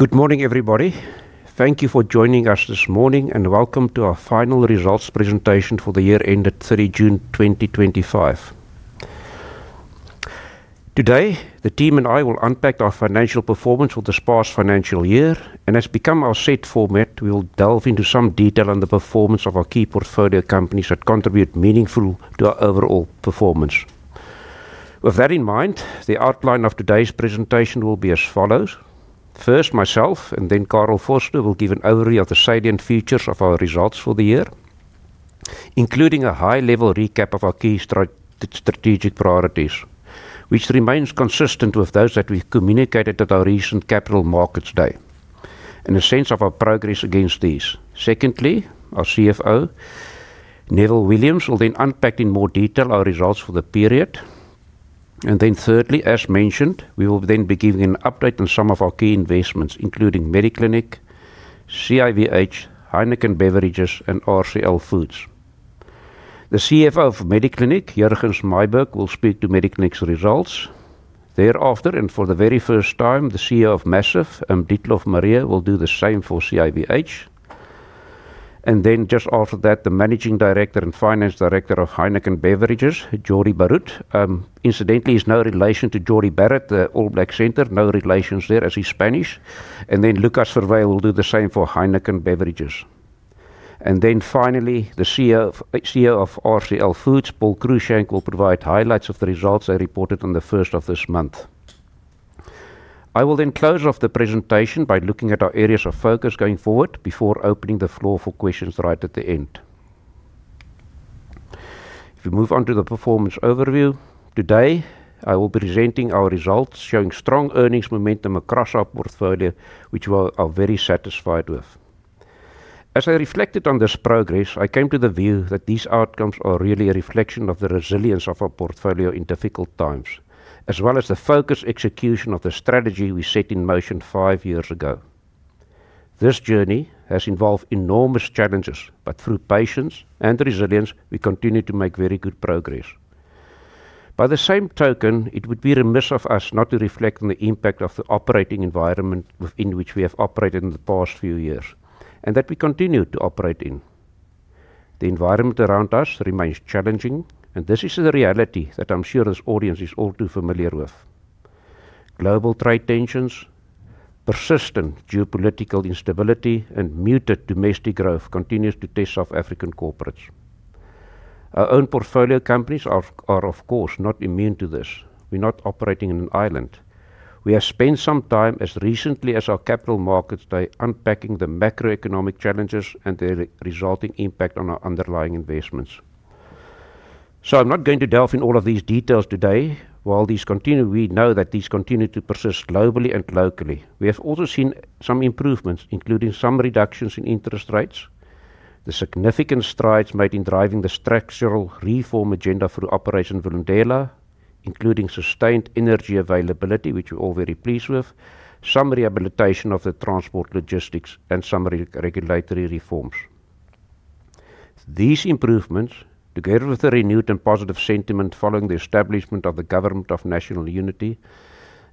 Good morning, everybody. Thank you for joining us this morning and welcome to our Final Results Presentation for the Year Ended 30 June 2025. Today, the team and I will unpack our financial performance for the past financial year, and as we come out of said format, we will delve into some detail on the performance of our key portfolio companies that contribute meaningfully to our overall performance. With that in mind, the outline of today's presentation will be as follows: first, myself and then Carel Foster will give an overview of the salient features of our results for the year, including a high-level recap of our key strategic priorities, which remain consistent with those that we communicated at our recent Capital Markets Day, and a sense of our progress against these. Secondly, our CFO, Neville Williams, will then unpack in more detail our results for the period. Thirdly, as mentioned, we will then be giving an update on some of our key investments, including Mediclinic, CIVH, Heineken Beverages, and RCL Foods. The CFO of Mediclinic, Jurgens Meijburg, will speak to Mediclinic's results. Thereafter, and for the very first time, the CEO of Maziv, Dietlof Mare, will do the same for CIVH. Just after that, the Managing Director and Finance Director of Heineken Beverages, Jordi Borrut. Incidentally, there's no relation to Jordi Borrut, the All Black Center, no relations there as he's Spanish. Then Lucas Verwey will do the same for Heineken Beverages. Finally, the CEO of RCL Foods, Paul Cruickshank, will provide highlights of the results they reported on the 1st of this month. I will then close off the presentation by looking at our areas of focus going forward before opening the floor for questions right at the end. If we move on to the performance overview, today, I will be presenting our results showing strong earnings momentum across our portfolio, which we are very satisfied with. As I reflected on this progress, I came to the view that these outcomes are really a reflection of the resilience of our portfolio in difficult times, as well as the focused execution of the strategy we set in motion five years ago. This journey has involved enormous challenges, but through patience and resilience, we continue to make very good progress. By the same token, it would be remiss of us not to reflect on the impact of the operating environment within which we have operated in the past few years, and that we continue to operate in. The environment around us remains challenging, and this is a reality that I'm sure this audience is all too familiar with. Global trade tensions, persistent geopolitical instability, and muted domestic growth continue to test South African corporates. Our own portfolio companies are, of course, not immune to this. We're not operating on an island. We have spent some time, as recently as our Capital Markets Day, unpacking the macroeconomic challenges and their resulting impact on our underlying investments. I'm not going to delve in all of these details today. While these continue, we know that these continue to persist globally and locally. We have also seen some improvements, including some reductions in interest rates, the significant strides made in driving the structural reform agenda through Operation Vulindlela, including sustained energy availability, which we're all very pleased with, some rehabilitation of the transport logistics, and some regulatory reforms. These improvements, together with the renewed and positive sentiment following the establishment of the Government of National Unity,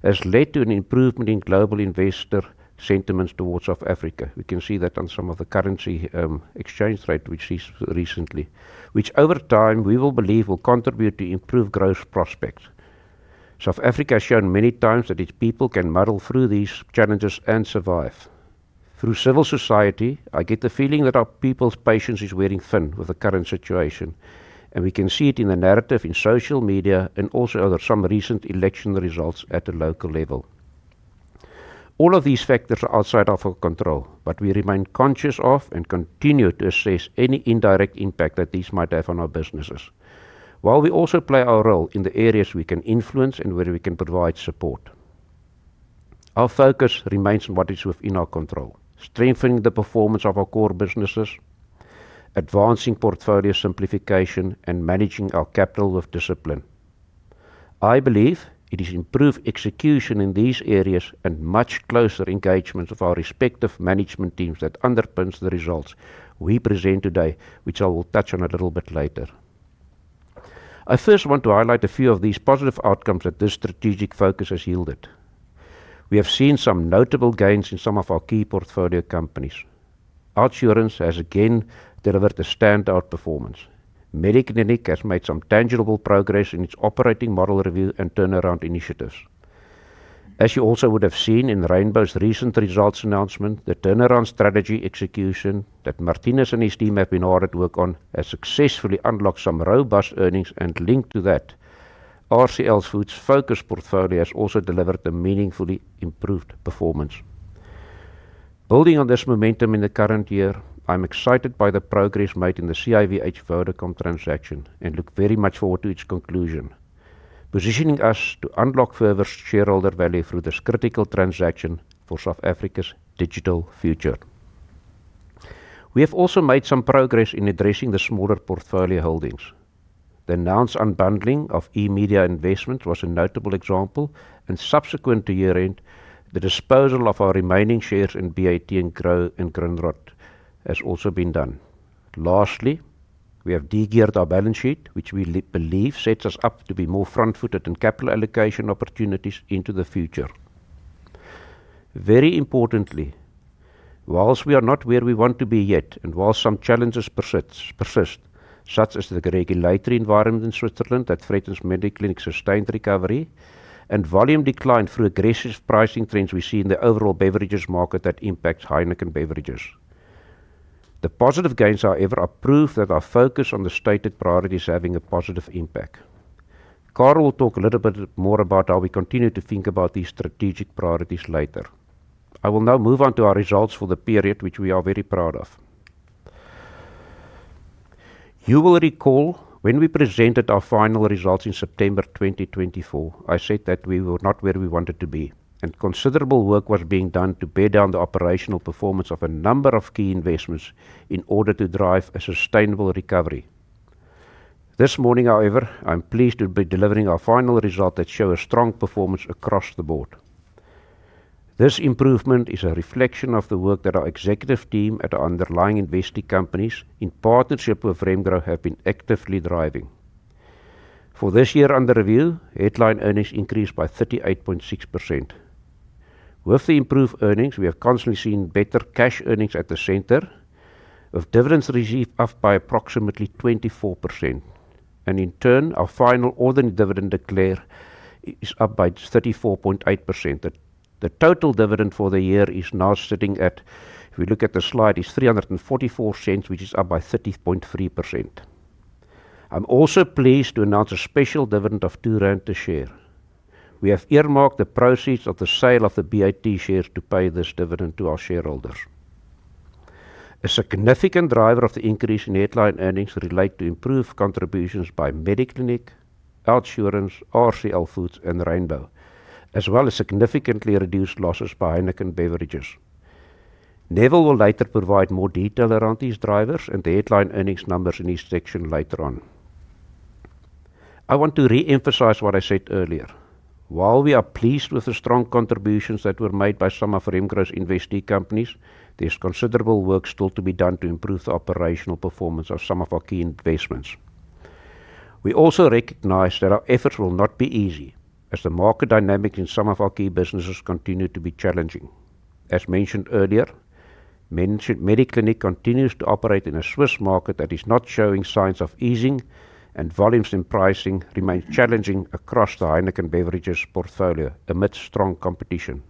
have led to an improvement in global investor sentiments towards South Africa. We can see that on some of the currency exchange rates we see recently, which over time, we will believe, will contribute to improved growth prospects. South Africa has shown many times that its people can muddle through these challenges and survive. Through civil society, I get the feeling that our people's patience is wearing thin with the current situation, and we can see it in the narrative in social media and also under some recent election results at the local level. All of these factors are outside of our control, but we remain conscious of and continue to assess any indirect impact that these might have on our businesses, while we also play our role in the areas we can influence and where we can provide support. Our focus remains on what is within our control: strengthening the performance of our core businesses, advancing portfolio simplification, and managing our capital with discipline. I believe it is improved execution in these areas and much closer engagement of our respective management teams that underpins the results we present today, which I will touch on a little bit later. I first want to highlight a few of these positive outcomes that this strategic focus has yielded. We have seen some notable gains in some of our key portfolio companies. OUTsurance Group has again delivered a standout performance. MediClinic has made some tangible progress in its operating model review and turnaround initiatives. As you also would have seen in RAINBOW's recent results announcement, the turnaround strategy execution that Martinez and his team have been hard at work on has successfully unlocked some robust earnings, and linked to that, RCL Foods' focused portfolio has also delivered a meaningfully improved performance. Building on this momentum in the current year, I'm excited by the progress made in the CIVH Vodacom transaction and look very much forward to its conclusion, positioning us to unlock further shareholder value through this critical transaction for South Africa's digital future. We have also made some progress in addressing the smaller portfolio holdings. The announced unbundling of eMedia Investments was a notable example, and subsequent to year-end, the disposal of our remaining shares in BAT and Grow and Grunwald has also been done. Lastly, we have degeared our balance sheet, which we believe sets us up to be more front-footed in capital allocation opportunities into the future. Very importantly, whilst we are not where we want to be yet and whilst some challenges persist, such as the regulatory environment in Switzerland that threatens MediClinic's sustained recovery and volume decline through aggressive pricing trends we see in the overall beverages market that impacts Heineken Beverages. The positive gains, however, are proof that our focus on the stated priorities is having a positive impact. Carel will talk a little bit more about how we continue to think about these strategic priorities later. I will now move on to our results for the period, which we are very proud of. You will recall when we presented our final results in September 2024, I said that we were not where we wanted to be, and considerable work was being done to bed down the operational performance of a number of key investments in order to drive a sustainable recovery. This morning, however, I'm pleased to be delivering our final result that shows strong performance across the board. This improvement is a reflection of the work that our executive team at the underlying investing companies, in partnership with Remgro, have been actively driving. For this year under review, headline earnings increased by 38.6%. With the improved earnings, we have constantly seen better cash earnings at the center, with dividends received up by approximately 24%. In turn, our final ordinary dividend declared is up by 34.8%. The total dividend for the year is now sitting at, if we look at the slide, it's 3.44, which is up by 30.3%. I'm also pleased to announce a special dividend of 2 rand per share. We have earmarked the proceeds of the sale of the BAT shares to pay this dividend to our shareholders. A significant driver of the increase in headline earnings relates to improved contributions by Mediclinic, OUTsurance Group, RCL Foods, and RAINBOW, as well as significantly reduced losses by Heineken Beverages. Neville will later provide more detail around these drivers and the headline earnings numbers in this section later on. I want to reemphasize what I said earlier. While we are pleased with the strong contributions that were made by some of Remgro's investing companies, there's considerable work still to be done to improve the operational performance of some of our key investments. We also recognize that our efforts will not be easy, as the market dynamics in some of our key businesses continue to be challenging. As mentioned earlier, Mediclinic continues to operate in a Swiss market that is not showing signs of easing, and volumes and pricing remain challenging across the Heineken Beverages portfolio amidst strong competition.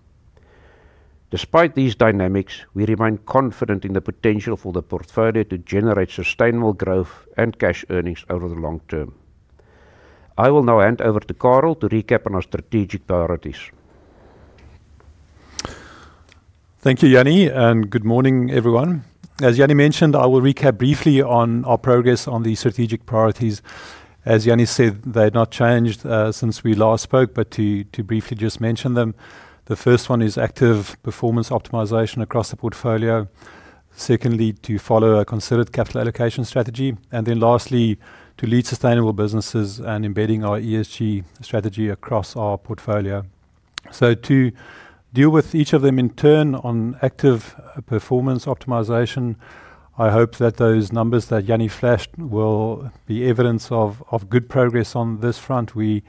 Despite these dynamics, we remain confident in the potential for the portfolio to generate sustainable growth and cash earnings over the long term. I will now hand over to Carel to recap on our strategic priorities. Thank you, Jannie, and good morning, everyone. As Jannie mentioned, I will recap briefly on our progress on the strategic priorities. As Jannie said, they've not changed since we last spoke, but to briefly just mention them. The first one is active performance optimization across the portfolio. Secondly, to follow a considered capital allocation strategy. Lastly, to lead sustainable businesses and embedding our ESG strategy across our portfolio. To deal with each of them in turn on active performance optimization, I hope that those numbers that Jannie fleshed will be evidence of good progress on this front. We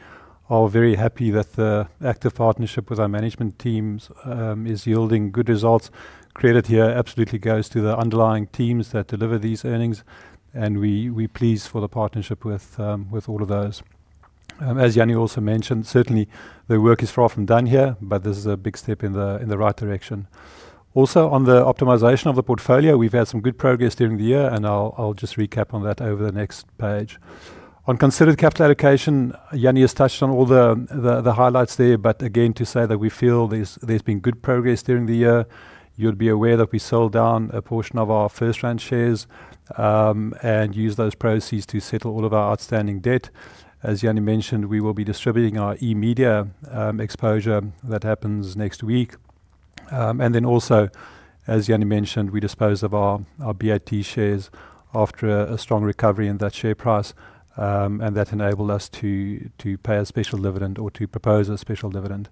are very happy that the active partnership with our management teams is yielding good results. Credit here absolutely goes to the underlying teams that deliver these earnings, and we're pleased for the partnership with all of those. As Jannie also mentioned, certainly, the work is far from done here, but this is a big step in the right direction. Also, on the optimization of the portfolio, we've had some good progress during the year, and I'll just recap on that over the next page. On considered capital allocation, Jannie has touched on all the highlights there, but again, to say that we feel there's been good progress during the year. You'll be aware that we sold down a portion of our FirstRand shares, and used those proceeds to settle all of our outstanding debt. As Jannie mentioned, we will be distributing our eMedia Investments exposure that happens next week. Also, as Jannie mentioned, we disposed of our BAT shares after a strong recovery in that share price, and that enabled us to pay a special dividend or to propose a special dividend.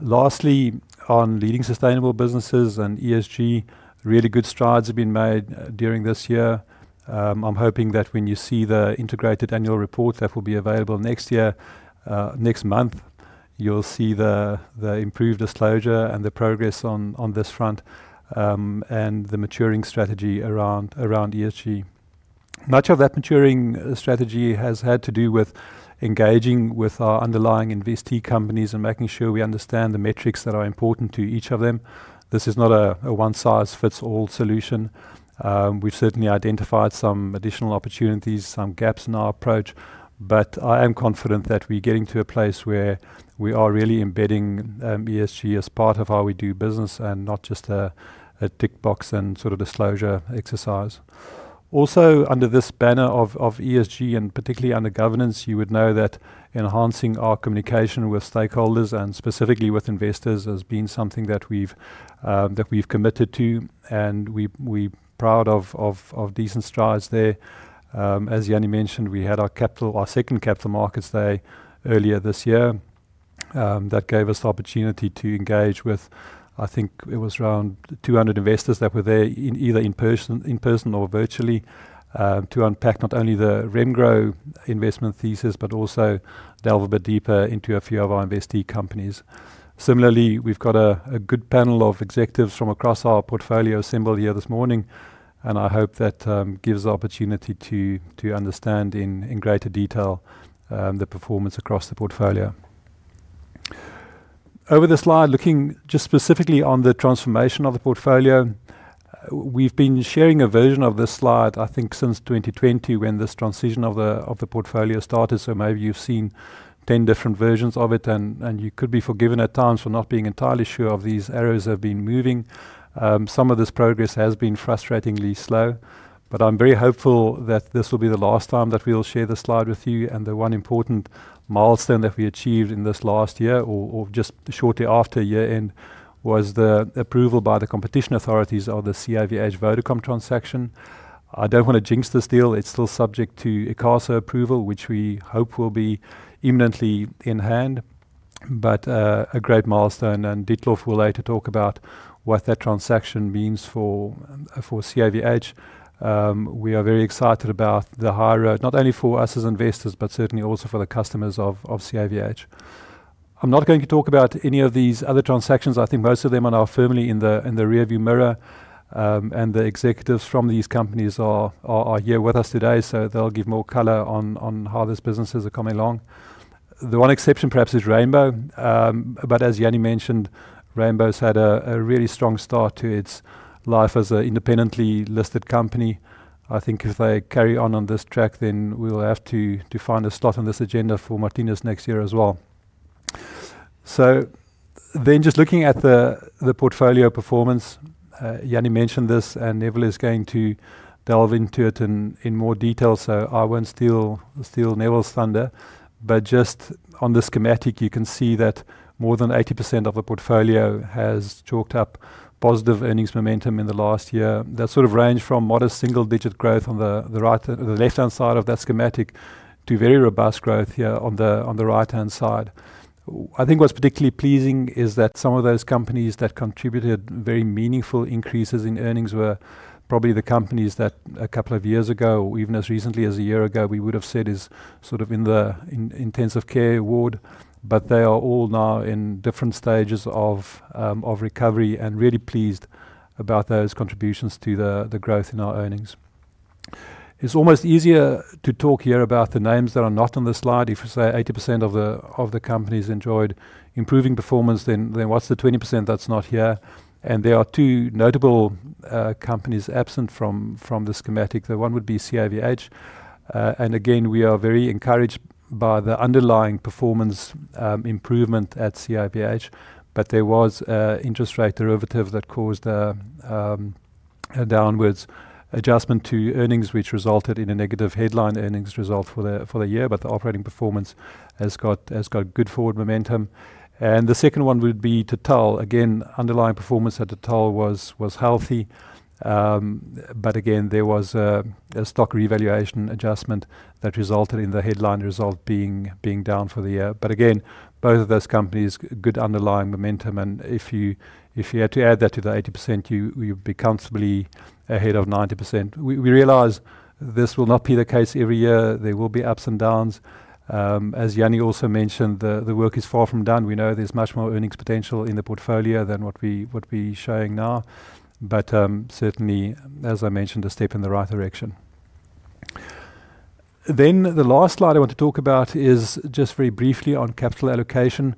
Lastly, on leading sustainable businesses and ESG, really good strides have been made during this year. I'm hoping that when you see the integrated annual report that will be available next month, you'll see the improved disclosure and the progress on this front, and the maturing strategy around ESG. Much of that maturing strategy has had to do with engaging with our underlying investee companies and making sure we understand the metrics that are important to each of them. This is not a one-size-fits-all solution. We've certainly identified some additional opportunities, some gaps in our approach, but I am confident that we're getting to a place where we are really embedding ESG as part of how we do business and not just a tick-box and sort of disclosure exercise. Also, under this banner of ESG and particularly under governance, you would know that enhancing our communication with stakeholders and specifically with investors has been something that we've committed to, and we're proud of decent strides there. As Jannie mentioned, we had our second Capital Markets Day earlier this year. That gave us the opportunity to engage with, I think it was around 200 investors that were there either in person or virtually, to unpack not only the Remgro investment thesis, but also delve a bit deeper into a few of our investee companies. Similarly, we've got a good panel of executives from across our portfolio assembled here this morning, and I hope that gives us the opportunity to understand in greater detail the performance across the portfolio. Over the slide, looking just specifically on the transformation of the portfolio, we've been sharing a version of this slide, I think, since 2020 when this transition of the portfolio started. Maybe you've seen 10 different versions of it, and you could be forgiven at times for not being entirely sure if these arrows have been moving. Some of this progress has been frustratingly slow, but I'm very hopeful that this will be the last time that we'll share the slide with you. The one important milestone that we achieved in this last year, or just shortly after year-end, was the approval by the competition authorities of the CIVH Vodacom transaction. I don't want to jinx this deal. It's still subject to ECASO approval, which we hope will be imminently in hand, but a great milestone. Dietlof will later talk about what that transaction means for CIVH. We are very excited about the high road, not only for us as investors, but certainly also for the customers of CIVH. I'm not going to talk about any of these other transactions. I think most of them are now firmly in the rearview mirror, and the executives from these companies are here with us today, so they'll give more color on how these businesses are coming along. The one exception perhaps is RAINBOW. As Jannie mentioned, RAINBOW's had a really strong start to its life as an independently listed company. I think if they carry on on this track, then we will have to find a spot on this agenda for Martinez next year as well. Just looking at the portfolio performance, Jannie Durand mentioned this, and Neville Williams is going to delve into it in more detail. I won't steal Neville's thunder, but just on the schematic, you can see that more than 80% of the portfolio has chalked up positive earnings momentum in the last year. That sort of ranged from modest single-digit growth on the left-hand side of that schematic to very robust growth here on the right-hand side. I think what's particularly pleasing is that some of those companies that contributed very meaningful increases in earnings were probably the companies that a couple of years ago, or even as recently as a year ago, we would have said are sort of in the intensive care ward, but they are all now in different stages of recovery and really pleased about those contributions to the growth in our earnings. It's almost easier to talk here about the names that are not on the slide. If you say 80% of the companies enjoyed improving performance, what's the 20% that's not here? There are two notable companies absent from the schematic. The one would be CIVH. We are very encouraged by the underlying performance improvement at CIVH, but there was an interest rate derivative that caused a downwards adjustment to earnings, which resulted in a negative headline earnings result for the year, but the operating performance has got good forward momentum. The second one would be Total. Underlying performance at Total was healthy, but there was a stock revaluation adjustment that resulted in the headline result being down for the year. Both of those companies have good underlying momentum, and if you had to add that to the 80%, you'd be comfortably ahead of 90%. We realize this will not be the case every year. There will be ups and downs. As Jannie also mentioned, the work is far from done. We know there's much more earnings potential in the portfolio than what we're showing now, but certainly, as I mentioned, a step in the right direction. The last slide I want to talk about is just very briefly on capital allocation.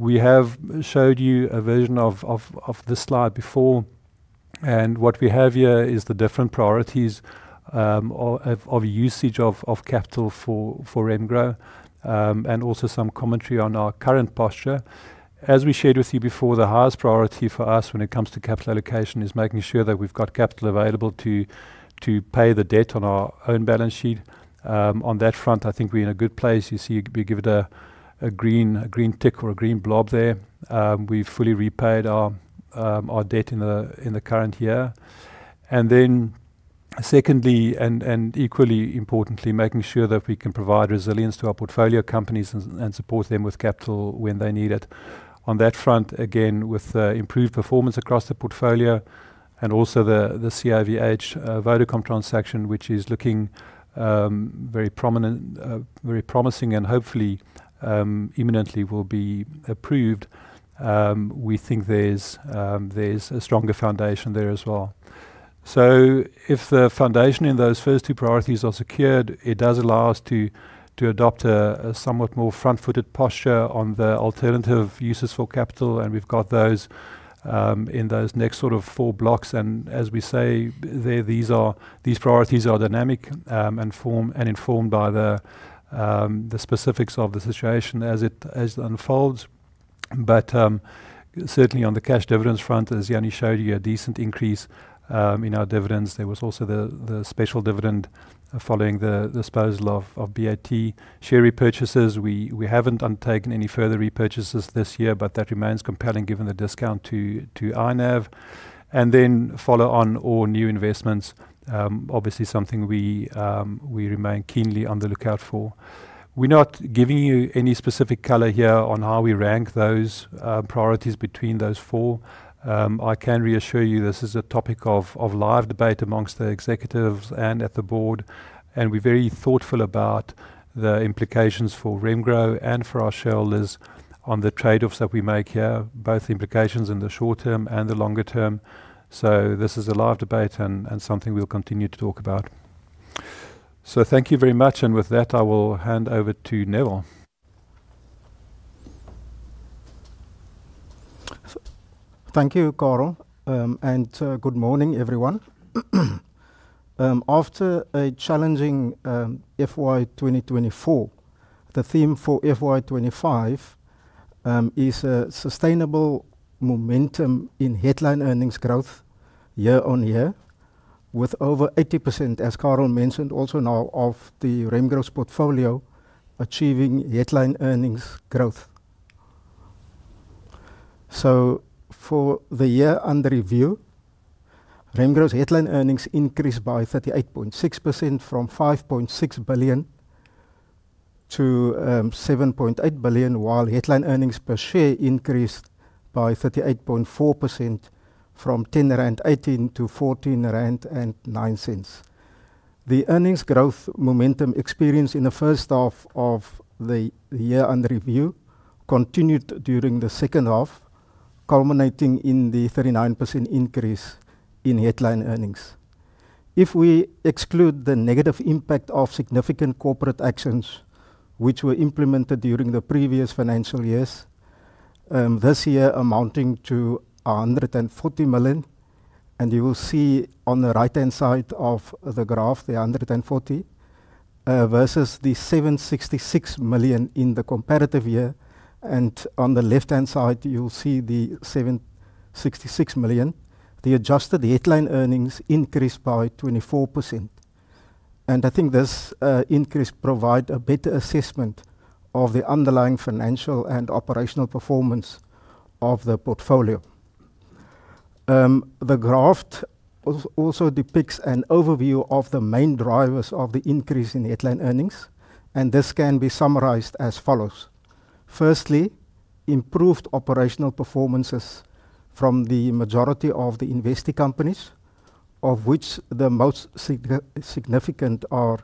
We have showed you a version of this slide before, and what we have here is the different priorities of usage of capital for Remgro and also some commentary on our current posture. As we shared with you before, the highest priority for us when it comes to capital allocation is making sure that we've got capital available to pay the debt on our own balance sheet. On that front, I think we're in a good place. You see, we give it a green tick or a green blob there. We've fully repaid our debt in the current year. Secondly, and equally importantly, making sure that we can provide resilience to our portfolio companies and support them with capital when they need it. On that front, again, with improved performance across the portfolio and also the CIVH Vodacom transaction, which is looking very promising and hopefully imminently will be approved, we think there's a stronger foundation there as well. If the foundation in those first two priorities are secured, it does allow us to adopt a somewhat more front-footed posture on the alternative uses for capital, and we've got those in those next sort of four blocks. As we say, these priorities are dynamic and informed by the specifics of the situation as it unfolds. Certainly, on the cash dividends front, as Jannie showed you, a decent increase in our dividends. There was also the special dividend following the disposal of BAT share repurchases. We haven't undertaken any further repurchases this year, but that remains compelling given the discount to INEV. Follow on all new investments, obviously something we remain keenly on the lookout for. We're not giving you any specific color here on how we rank those priorities between those four. I can reassure you this is a topic of live debate amongst the executives and at the board, and we're very thoughtful about the implications for Remgro and for our shareholders on the trade-offs that we make here, both implications in the short term and the longer term. This is a live debate and something we'll continue to talk about. Thank you very much, and with that, I will hand over to Neville. Thank you, Carel, and good morning, everyone. After a challenging FY 2024, the theme for FY 2025 is sustainable momentum in headline earnings growth year on year, with over 80%, as Carel mentioned, also now of Remgro's portfolio, achieving headline earnings growth. For the year under review, Remgro's headline earnings increased by 38.6% from 5.6 billion to 7.8 billion, while headline earnings per share increased by 38.4% from 10.18 rand to 14.09 rand. The earnings growth momentum experienced in the first half of the year under review continued during the second half, culminating in the 39% increase in headline earnings. If we exclude the negative impact of significant corporate actions which were implemented during the previous financial years, this year amount to 140 million, and you will see on the right-hand side of the graph, the 140 million, versus the 766 million in the comparative year. On the left-hand side, you'll see the 766 million. The adjusted headline earnings increased by 24%. I think this increase provides a better assessment of the underlying financial and operational performance of the portfolio. The graph also depicts an overview of the main drivers of the increase in headline earnings, and this can be summarized as follows. Firstly, improved operational performances from the majority of the investee companies, of which the most significant are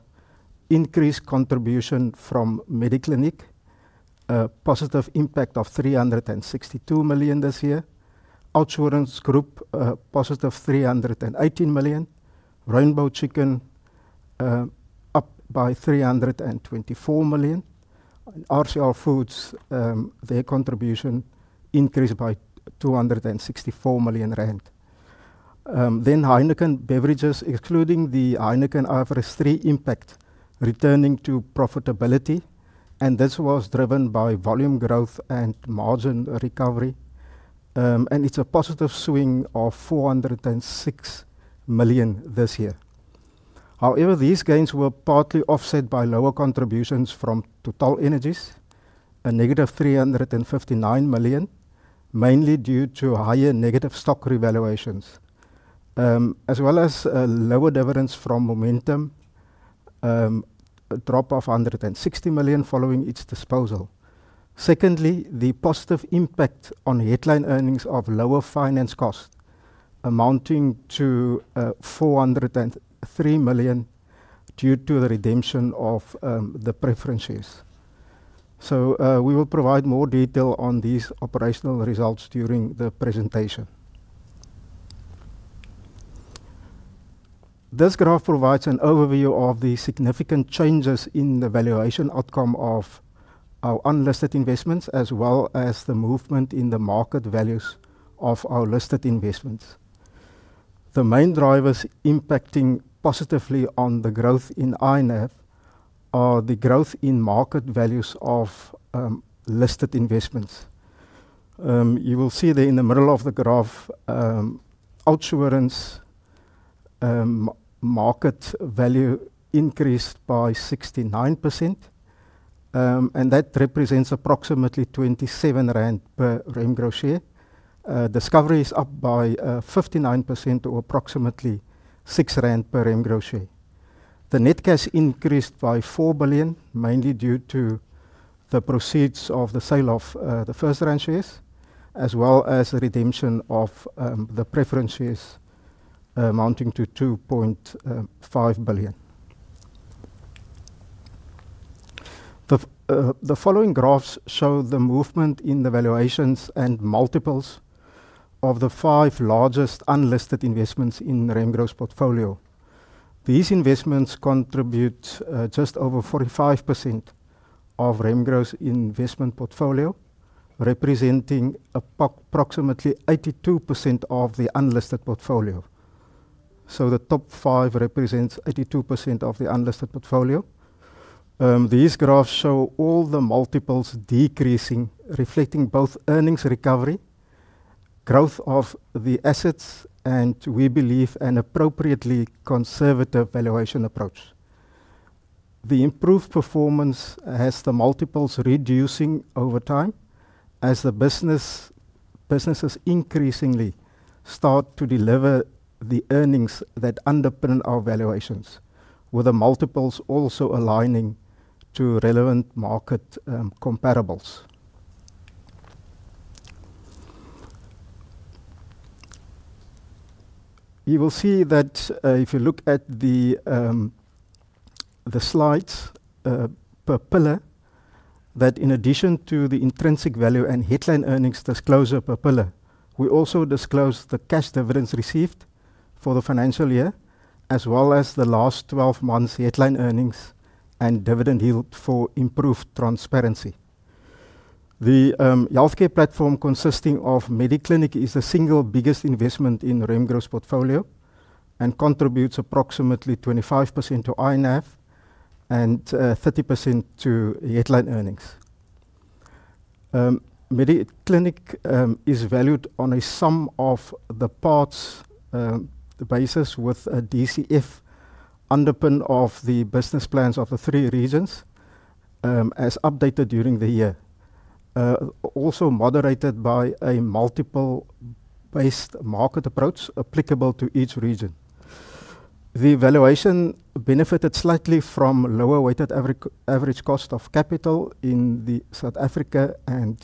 increased contribution from Mediclinic, a positive impact of 362 million this year. OUTsurance Group, a positive 318 million. RAINBOW Chicken up by 324 million. RCL Foods, their contribution increased by 264 million rand. Heineken Beverages, excluding the Heineken Average 3 impact, returning to profitability, and this was driven by volume growth and margin recovery. It's a positive swing of 406 million this year. However, these gains were partly offset by lower contributions from Total Energies, a -359 million, mainly due to higher negative stock revaluations, as well as lower dividends from Momentum, a drop of 160 million following its disposal. Secondly, the positive impact on headline earnings of lower finance costs, amounting to 403 million due to the redemption of the preferences. We will provide more detail on these operational results during the presentation. This graph provides an overview of the significant changes in the valuation outcome of our unlisted investments, as well as the movement in the market values of our listed investments. The main drivers impacting positively on the growth in INEV are the growth in market values of listed investments. You will see that in the middle of the graph, OUTsurance market value increased by 69%, and that represents approximately 27 rand per Remgro share. Discovery is up by 59% or approximately 6 rand per Remgro share. The net cash increased by 4 billion, mainly due to the proceeds of the sale of the FirstRand shares, as well as the redemption of the preference shares, amounting to 2.5 billion. The following graphs show the movement in the valuations and multiples of the five largest unlisted investments in Remgro's portfolio. These investments contribute just over 45% of Remgro's investment portfolio, representing approximately 82% of the unlisted portfolio. The top five represent 82% of the unlisted portfolio. These graphs show all the multiples decreasing, reflecting both earnings recovery, growth of the assets, and we believe an appropriately conservative valuation approach. The improved performance has the multiples reducing over time as the businesses increasingly start to deliver the earnings that underpin our valuations, with the multiples also aligning to relevant market comparables. You will see that if you look at the slides per pillar, that in addition to the intrinsic value and headline earnings disclosure per pillar, we also disclose the cash dividends received for the financial year, as well as the last 12 months' headline earnings and dividend yield for improved transparency. The healthcare platform consisting of MediClinic is the single biggest investment in Remgro's portfolio and contributes approximately 25% to INEV and 30% to headline earnings. MediClinic is valued on a sum of the parts basis, with a DCF underpinning of the business plans of the three regions as updated during the year, also moderated by a multiple-based market approach applicable to each region. The valuation benefited slightly from lower weighted average cost of capital in South Africa and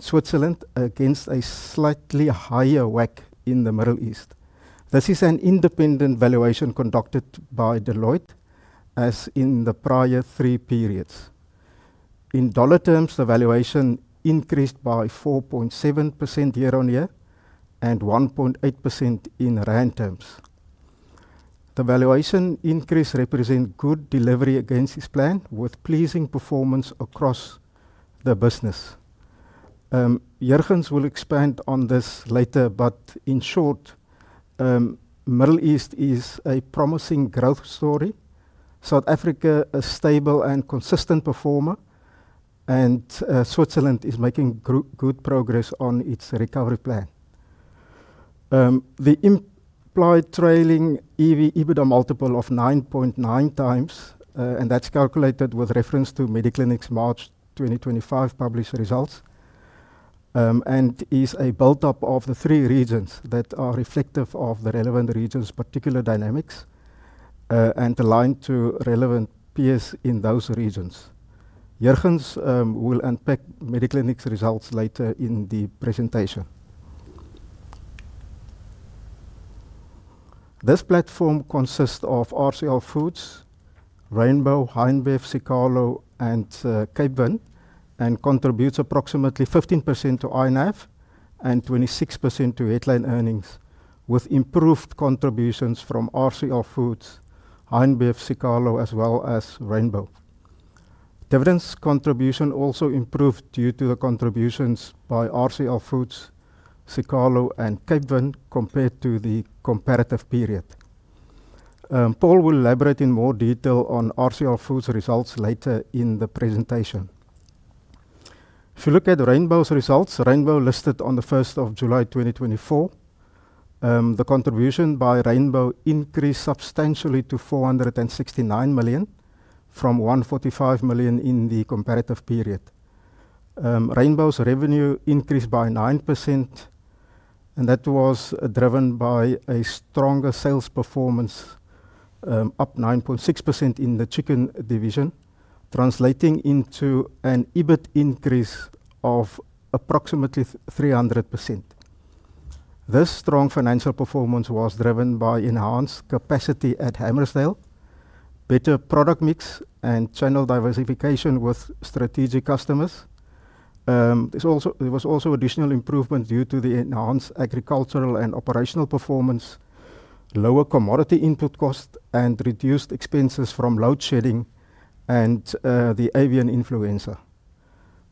Switzerland against a slightly higher WACC in the Middle East. This is an independent valuation conducted by Deloitte, as in the prior three periods. In dollar terms, the valuation increased by 4.7% year on year and 1.8% in rand terms. The valuation increase represents good delivery against this plan, with pleasing performance across the business. Jurgens will expand on this later, but in short, the Middle East is a promising growth story. South Africa is a stable and consistent performer, and Switzerland is making good progress on its recovery plan. The implied trailing EBITDA multiple of 9.9x, and that's calculated with reference to MediClinic's March 2025 published results, is a build-up of the three regions that are reflective of the relevant region's particular dynamics and aligned to relevant peers in those regions. Jurgens will unpack MediClinic's results later in the presentation. This platform consists of RCL Foods, RAINBOW, Heineken Bevs, Siqalo, and Cape Vern, and contributes approximately 15% to INEV and 26% to headline earnings, with improved contributions from RCL Foods, Heineken Bevs, Siqalo Foods, as well as RAINBOW. Dividends contribution also improved due to the contributions by RCL Foods, Siqalo Foods, and Cape Vern compared to the comparative period. Paul will elaborate in more detail on RCL Foods' results later in the presentation. If you look at RAINBOW's results, RAINBOW listed on the 1st of July 2024, the contribution by RAINBOW increased substantially to 469 million from 145 million in the comparative period. RAINBOW's revenue increased by 9%, and that was driven by a stronger sales performance, up 9.6% in the chicken division, translating into an EBIT increase of approximately 300%. This strong financial performance was driven by enhanced capacity at Hammersdale, better product mix, and channel diversification with strategic customers. There was also additional improvement due to the enhanced agricultural and operational performance, lower commodity input cost, and reduced expenses from load shedding and the avian influenza.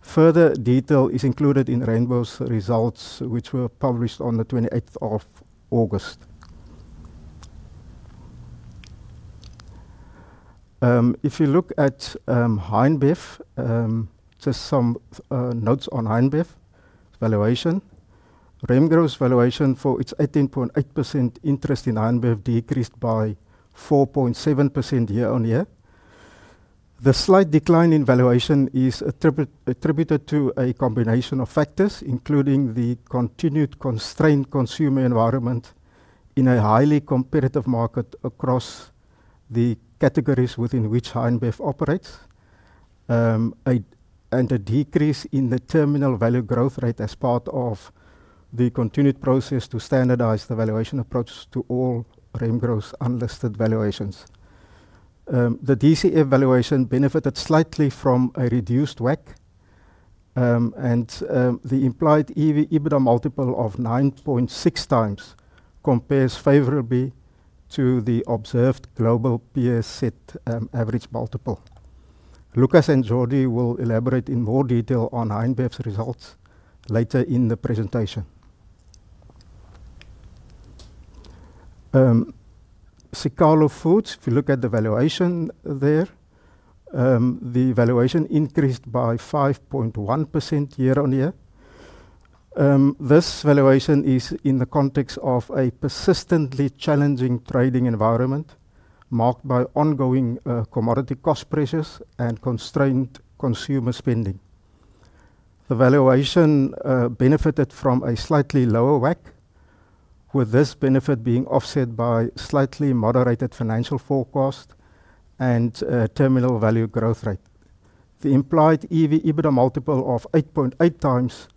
Further detail is included in RAINBOW's results, which were published on the 28th of August. If you look at Hein Bev, just some notes on Hein Bev's valuation. Remgro's valuation for its 18.8% interest in Hein Bev decreased by 4.7% year on year. The slight decline in valuation is attributed to a combination of factors, including the continued constrained consumer environment in a highly competitive market across the categories within which Hein Bev operates, and a decrease in the terminal value growth rate as part of the continued process to standardize the valuation approach to all Remgro's unlisted valuations. The DCF valuation benefited slightly from a reduced WACC, and the implied EBITDA multiple of 9.6x compares favorably to the observed global peer-set average multiple. Lukas and Jordi will elaborate in more detail on Hein Bev's results later in the presentation. Siqalo Foods, if you look at the valuation there, the valuation increased by 5.1% year on year. This valuation is in the context of a persistently challenging trading environment marked by ongoing commodity cost pressures and constrained consumer spending. The valuation benefited from a slightly lower WACC, with this benefit being offset by a slightly moderated financial forecast and terminal value growth rate. The implied EBITDA multiple of 8.8x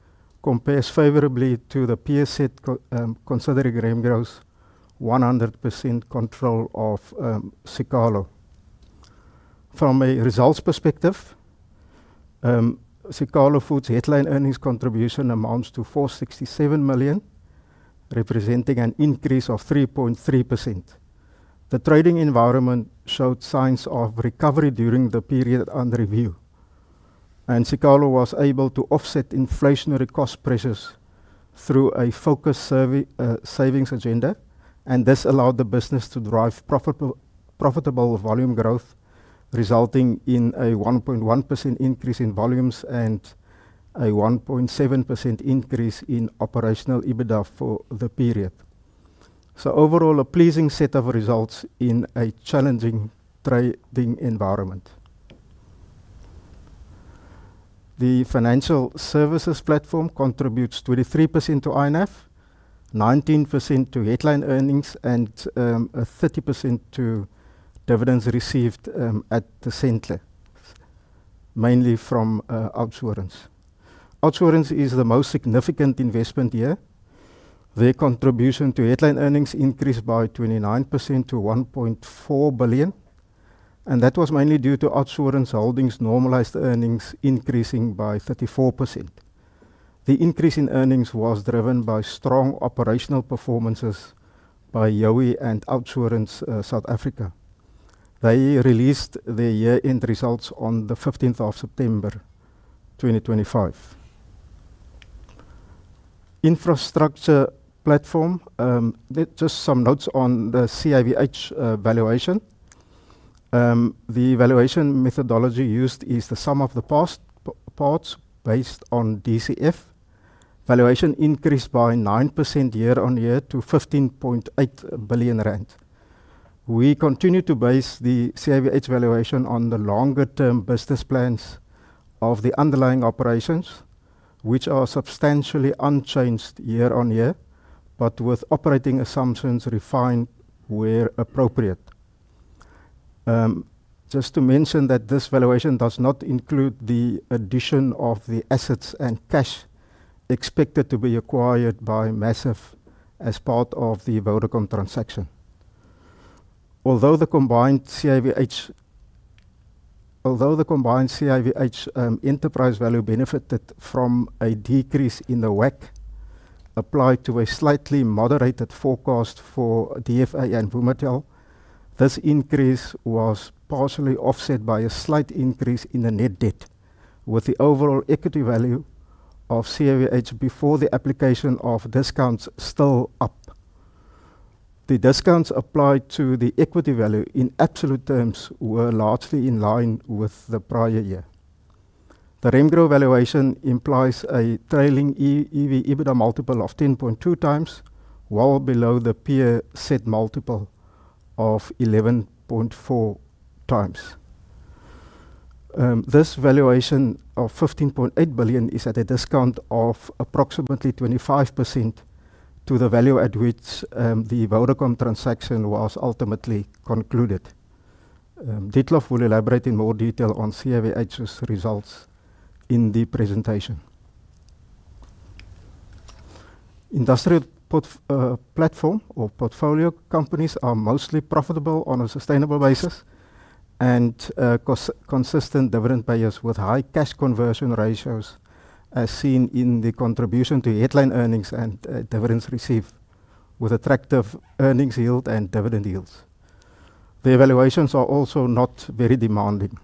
compares favorably to the peer-set considering Remgro's 100% control of Siqalo. From a results perspective, Siqalo Foods' headline earnings contribution amounts to 467 million, representing an increase of 3.3%. The trading environment showed signs of recovery during the period under review, and Siqalo was able to offset inflationary cost pressures through a focused savings agenda. This allowed the business to drive profitable volume growth, resulting in a 1.1% increase in volumes and a 1.7% increase in operational EBITDA for the period. Overall, a pleasing set of results in a challenging trading environment. The financial services platform contributes 23% to INEV, 19% to headline earnings, and 30% to dividends received at the center, mainly from OUTsurance. OUTsurance is the most significant investment here. Their contribution to headline earnings increased by 29% to 1.4 billion, and that was mainly due to OUTsurance Holdings' normalized earnings increasing by 34%. The increase in earnings was driven by strong operational performances by Youi and OUTsurance South Africa. They released their year-end results on the 15th of September 2025. Infrastructure platform, just some notes on the CIVH valuation. The valuation methodology used is the sum of the parts based on DCF. Valuation increased by 9% year on year to 15.8 billion rand. We continue to base the CIVH valuation on the longer-term business plans of the underlying operations, which are substantially unchanged year on year, but with operating assumptions refined where appropriate. This valuation does not include the addition of the assets and cash expected to be acquired by MAZIV as part of the Vodacom transaction. Although the combined CIVH enterprise value benefited from a decrease in the WACC applied to a slightly moderated forecast for DFA and Vumatel, this increase was partially offset by a slight increase in the net debt, with the overall equity value of CIVH before the application of discounts still up. The discounts applied to the equity value in absolute terms were largely in line with the prior year. The Remgro valuation implies a trailing EBITDA multiple of 10.2x, well below the peer-set multiple of 11.4x. This valuation of 15.8 billion is at a discount of approximately 25% to the value at which the Vodacom transaction was ultimately concluded. Dietlof will elaborate in more detail on CIVH's results in the presentation. Industrial platform or portfolio companies are mostly profitable on a sustainable basis and consistent dividend payers with high cash conversion ratios, as seen in the contribution to headline earnings and dividends received, with attractive earnings yield and dividend yields. The valuations are also not very demanding.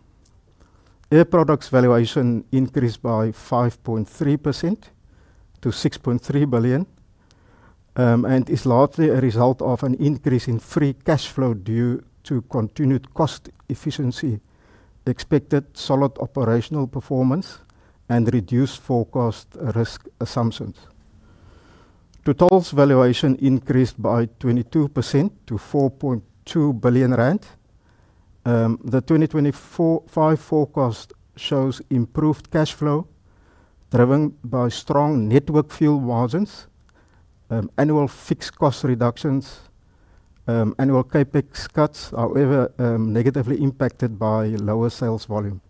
Air Products valuation increased by 5.3% to 6.3 billion and is largely a result of an increase in free cash flow due to continued cost efficiency, the expected solid operational performance, and reduced forecast risk assumptions. Total's valuation increased by 22% to 4.2 billion rand. The 2025 forecast shows improved cash flow driven by strong network fuel margins, annual fixed cost reductions, and annual CapEx cuts, however, negatively impacted by lower sales volume.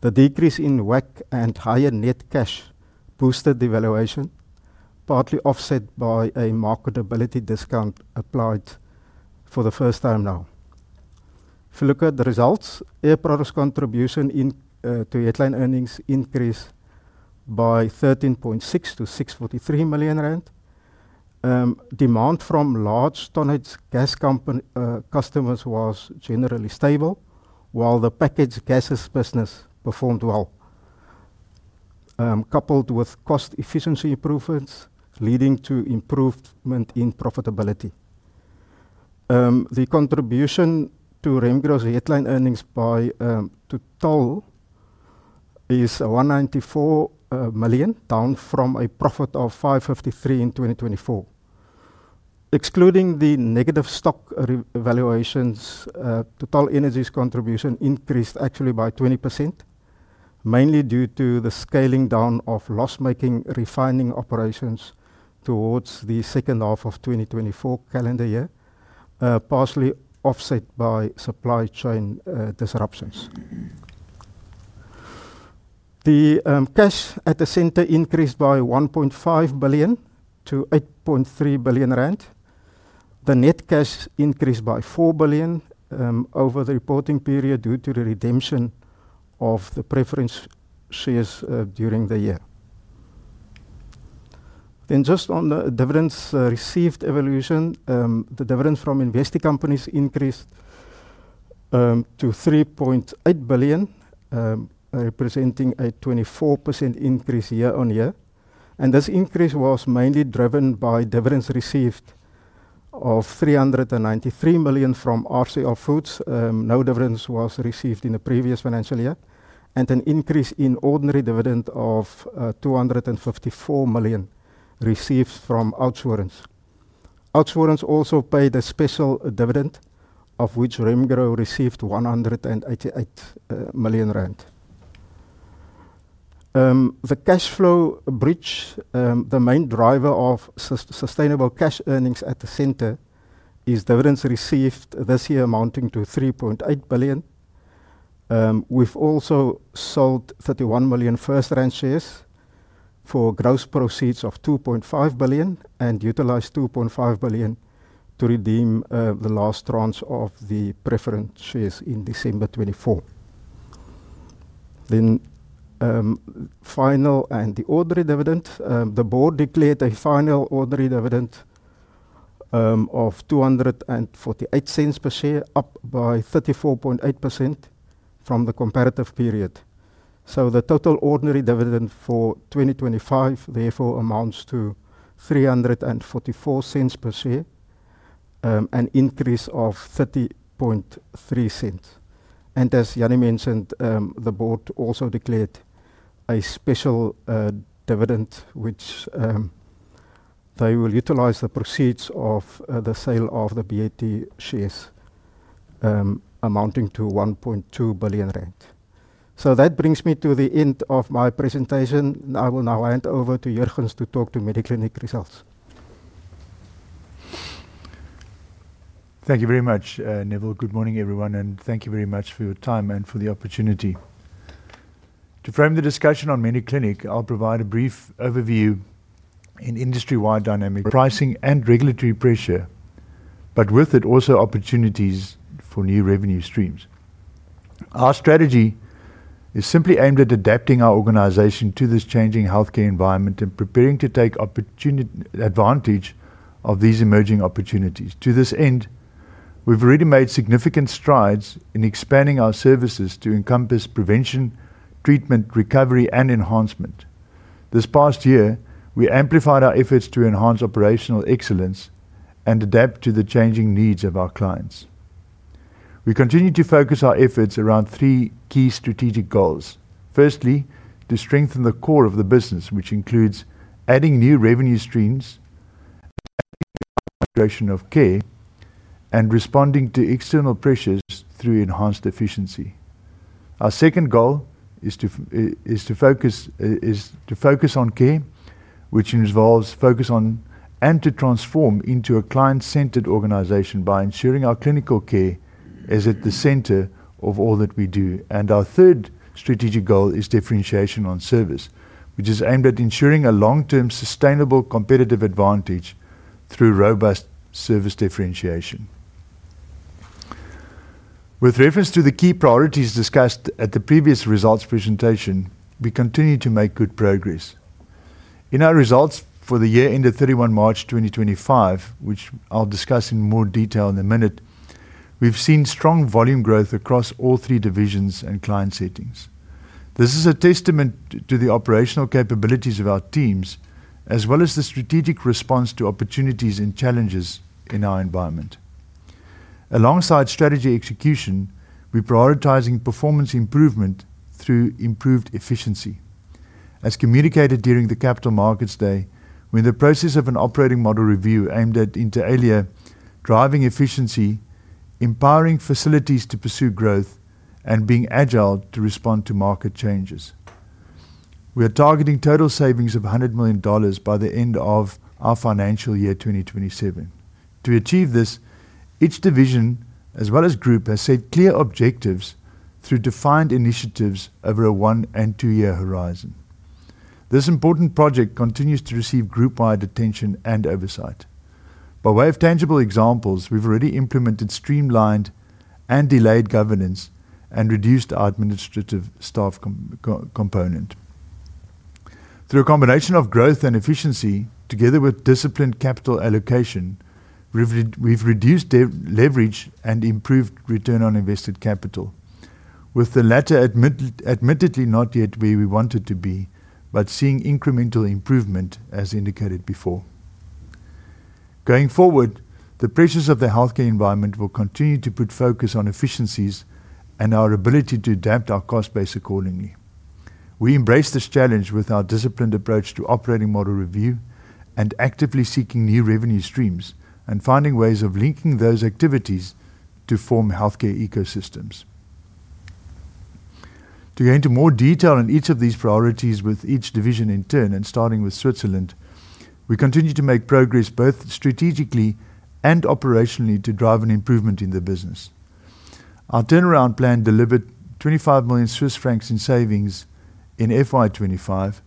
The decrease in WACC and higher net cash boosted the valuation, partly offset by a marketability discount applied for the first time now. If you look at the results, Air Products contribution to headline earnings increased by 13.6% to 6.43 million rand. Demand from large tonnage gas customers was generally stable, while the packaged gases business performed well, coupled with cost efficiency improvements leading to improvement in profitability. The contribution to Remgro's headline earnings by Total is 194 million, down from a profit of R553 million in 2024. Excluding the negative stock valuations, Total Energies' contribution increased actually by 20%, mainly due to the scaling down of loss-making refining operations towards the second half of the 2024 calendar year, partially offset by supply chain disruptions. The cash at the center increased by 1.5 billion to 8.3 billion rand. The net cash increased by R4 billion over the reporting period due to the redemption of the preference shares during the year. Just on the dividends received evolution, the dividends from investing companies increased to 3.8 billion, representing a 24% increase year on year. This increase was mainly driven by dividends received of 393 million from RCL Foods. No dividends were received in the previous financial year, and an increase in ordinary dividend of 254 million received from OUTsurance. OUTsurance also paid a special dividend, of which Remgro received 188 million rand. The cash flow breach, the main driver of sustainable cash earnings at the center, is dividends received this year amounting to 3.8 billion. We've also sold 31 million FirstRand shares for gross proceeds of 2.5 billion and utilized 2.5 billion to redeem the last tranche of the preference shares in December 2024. The board declared a final ordinary dividend of 2.48 per share, up by 34.8% from the comparative period. The total ordinary dividend for 2025 therefore amounts to 3.44 per share, an increase of 0.303. As Jannie mentioned, the board also declared a special dividend, which they will utilize the proceeds of the sale of the BAT shares, amounting to 1.2 billion rand. That brings me to the end of my presentation. I will now hand over to Jurgens to talk to MediClinic results. Thank you very much, Neville. Good morning, everyone, and thank you very much for your time and for the opportunity. To frame the discussion on MediClinic, I'll provide a brief overview in industry-wide dynamics. Pricing and regulatory pressure, but with it also opportunities for new revenue streams. Our strategy is simply aimed at adapting our organization to this changing healthcare environment and preparing to take advantage of these emerging opportunities. To this end, we've already made significant strides in expanding our services to encompass prevention, treatment, recovery, and enhancement. This past year, we amplified our efforts to enhance operational excellence and adapt to the changing needs of our clients. We continue to focus our efforts around three key strategic goals. Firstly, to strengthen the core of the business, which includes adding new revenue streams, migration of care, and responding to external pressures through enhanced efficiency. Our second goal is to focus on care, which involves focus on and to transform into a client-centered organization by ensuring our clinical care is at the center of all that we do. Our third strategic goal is differentiation on service, which is aimed at ensuring a long-term sustainable competitive advantage through robust service differentiation. With reference to the key priorities discussed at the previous results presentation, we continue to make good progress. In our results for the year ended 31 March 2025, which I'll discuss in more detail in a minute, we've seen strong volume growth across all three divisions and client settings. This is a testament to the operational capabilities of our teams, as well as the strategic response to opportunities and challenges in our environment. Alongside strategy execution, we're prioritizing performance improvement through improved efficiency. As communicated during the Capital Markets Day, we're in the process of an operating model review aimed at inter-area driving efficiency, empowering facilities to pursue growth, and being agile to respond to market changes. We are targeting total savings of $100 million by the end of our financial year 2027. To achieve this, each division, as well as group, has set clear objectives through defined initiatives over a one- and two-year horizon. This important project continues to receive group-wide attention and oversight. By way of tangible examples, we've already implemented streamlined and delayed governance and reduced our administrative staff component. Through a combination of growth and efficiency, together with disciplined capital allocation, we've reduced leverage and improved return on invested capital, with the latter admittedly not yet where we want it to be, but seeing incremental improvement as indicated before. Going forward, the pressures of the healthcare environment will continue to put focus on efficiencies and our ability to adapt our cost base accordingly. We embrace this challenge with our disciplined approach to operating model review and actively seeking new revenue streams and finding ways of linking those activities to form healthcare ecosystems. To go into more detail on each of these priorities with each division in turn, and starting with Switzerland, we continue to make progress both strategically and operationally to drive an improvement in the business. Our turnaround plan delivered 25 million Swiss francs in savings in FY 2025,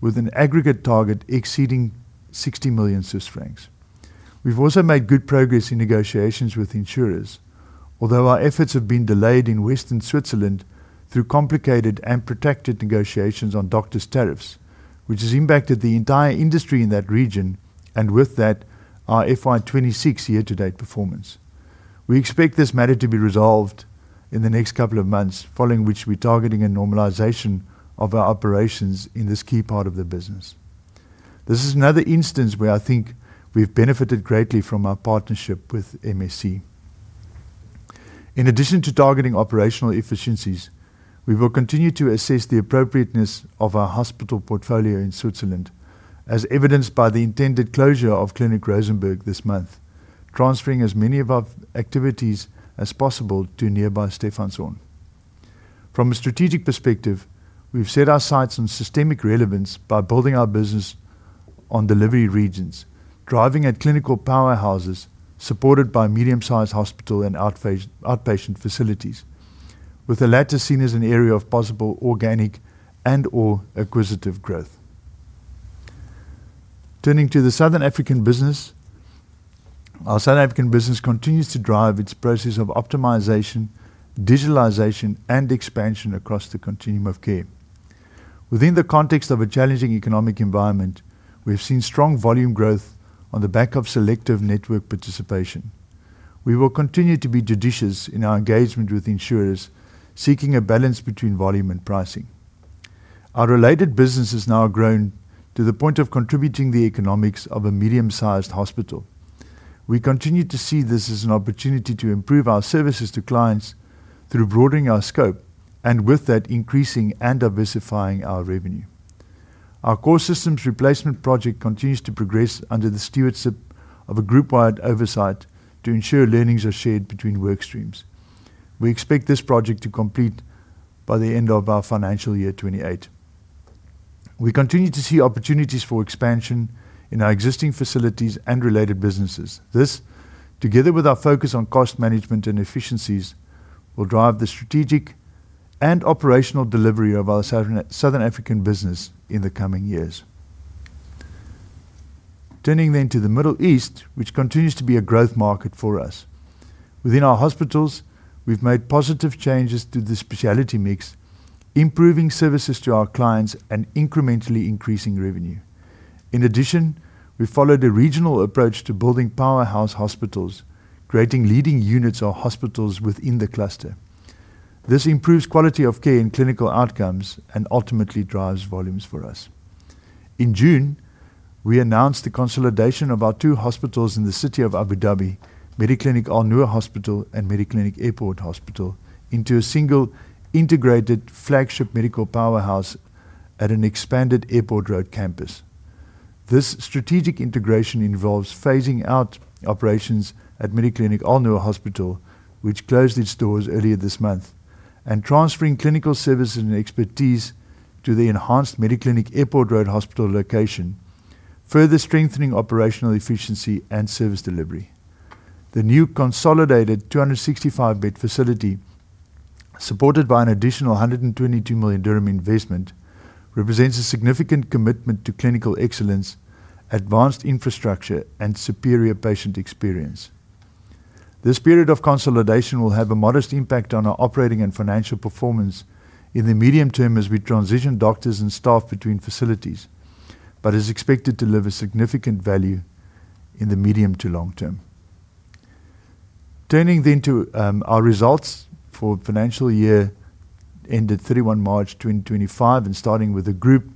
with an aggregate target exceeding 60 million Swiss francs. We've also made good progress in negotiations with insurers, although our efforts have been delayed in Western Switzerland through complicated and protracted negotiations on doctor's tariffs, which has impacted the entire industry in that region, and with that, our FY 2026 year-to-date performance. We expect this matter to be resolved in the next couple of months, following which we're targeting a normalization of our operations in this key part of the business. This is another instance where I think we've benefited greatly from our partnership with MSC. In addition to targeting operational efficiencies, we will continue to assess the appropriateness of our hospital portfolio in Switzerland, as evidenced by the intended closure of Clinic Rosenberg this month, transferring as many of our activities as possible to nearby Stephanson. From a strategic perspective, we've set our sights on systemic relevance by building our business on delivery regions, driving at clinical powerhouses supported by medium-sized hospital and outpatient facilities, with the latter seen as an area of possible organic and/or acquisitive growth. Turning to the Southern African business, our South African business continues to drive its process of optimization, digitalization, and expansion across the continuum of care. Within the context of a challenging economic environment, we've seen strong volume growth on the back of selective network participation. We will continue to be judicious in our engagement with insurers, seeking a balance between volume and pricing. Our related business has now grown to the point of contributing to the economics of a medium-sized hospital. We continue to see this as an opportunity to improve our services to clients through broadening our scope, and with that, increasing and diversifying our revenue. Our core systems replacement project continues to progress under the stewardship of a group-wide oversight to ensure learnings are shared between work streams. We expect this project to complete by the end of our financial year 2028. We continue to see opportunities for expansion in our existing facilities and related businesses. This, together with our focus on cost management and efficiencies, will drive the strategic and operational delivery of our Southern African business in the coming years. Turning then to the Middle East, which continues to be a growth market for us. Within our hospitals, we've made positive changes to the specialty mix, improving services to our clients and incrementally increasing revenue. In addition, we followed a regional approach to building powerhouse hospitals, creating leading units or hospitals within the cluster. This improves quality of care and clinical outcomes and ultimately drives volumes for us. In June, we announced the consolidation of our two hospitals in the city of Abu Dhabi, Mediclinic Al Noor Hospital and Mediclinic Airport Road Hospital, into a single integrated flagship medical powerhouse at an expanded Airport Road campus. This strategic integration involves phasing out operations at Mediclinic Al Noor Hospital, which closed its doors earlier this month, and transferring clinical services and expertise to the enhanced Mediclinic Airport Road Hospital location, further strengthening operational efficiency and service delivery. The new consolidated 265-bed facility, supported by an additional 122 million dirham investment, represents a significant commitment to clinical excellence, advanced infrastructure, and superior patient experience. This period of consolidation will have a modest impact on our operating and financial performance in the medium term as we transition doctors and staff between facilities, but is expected to deliver significant value in the medium to long term. Turning then to our results for the financial year ended 31 March 2025, and starting with the group,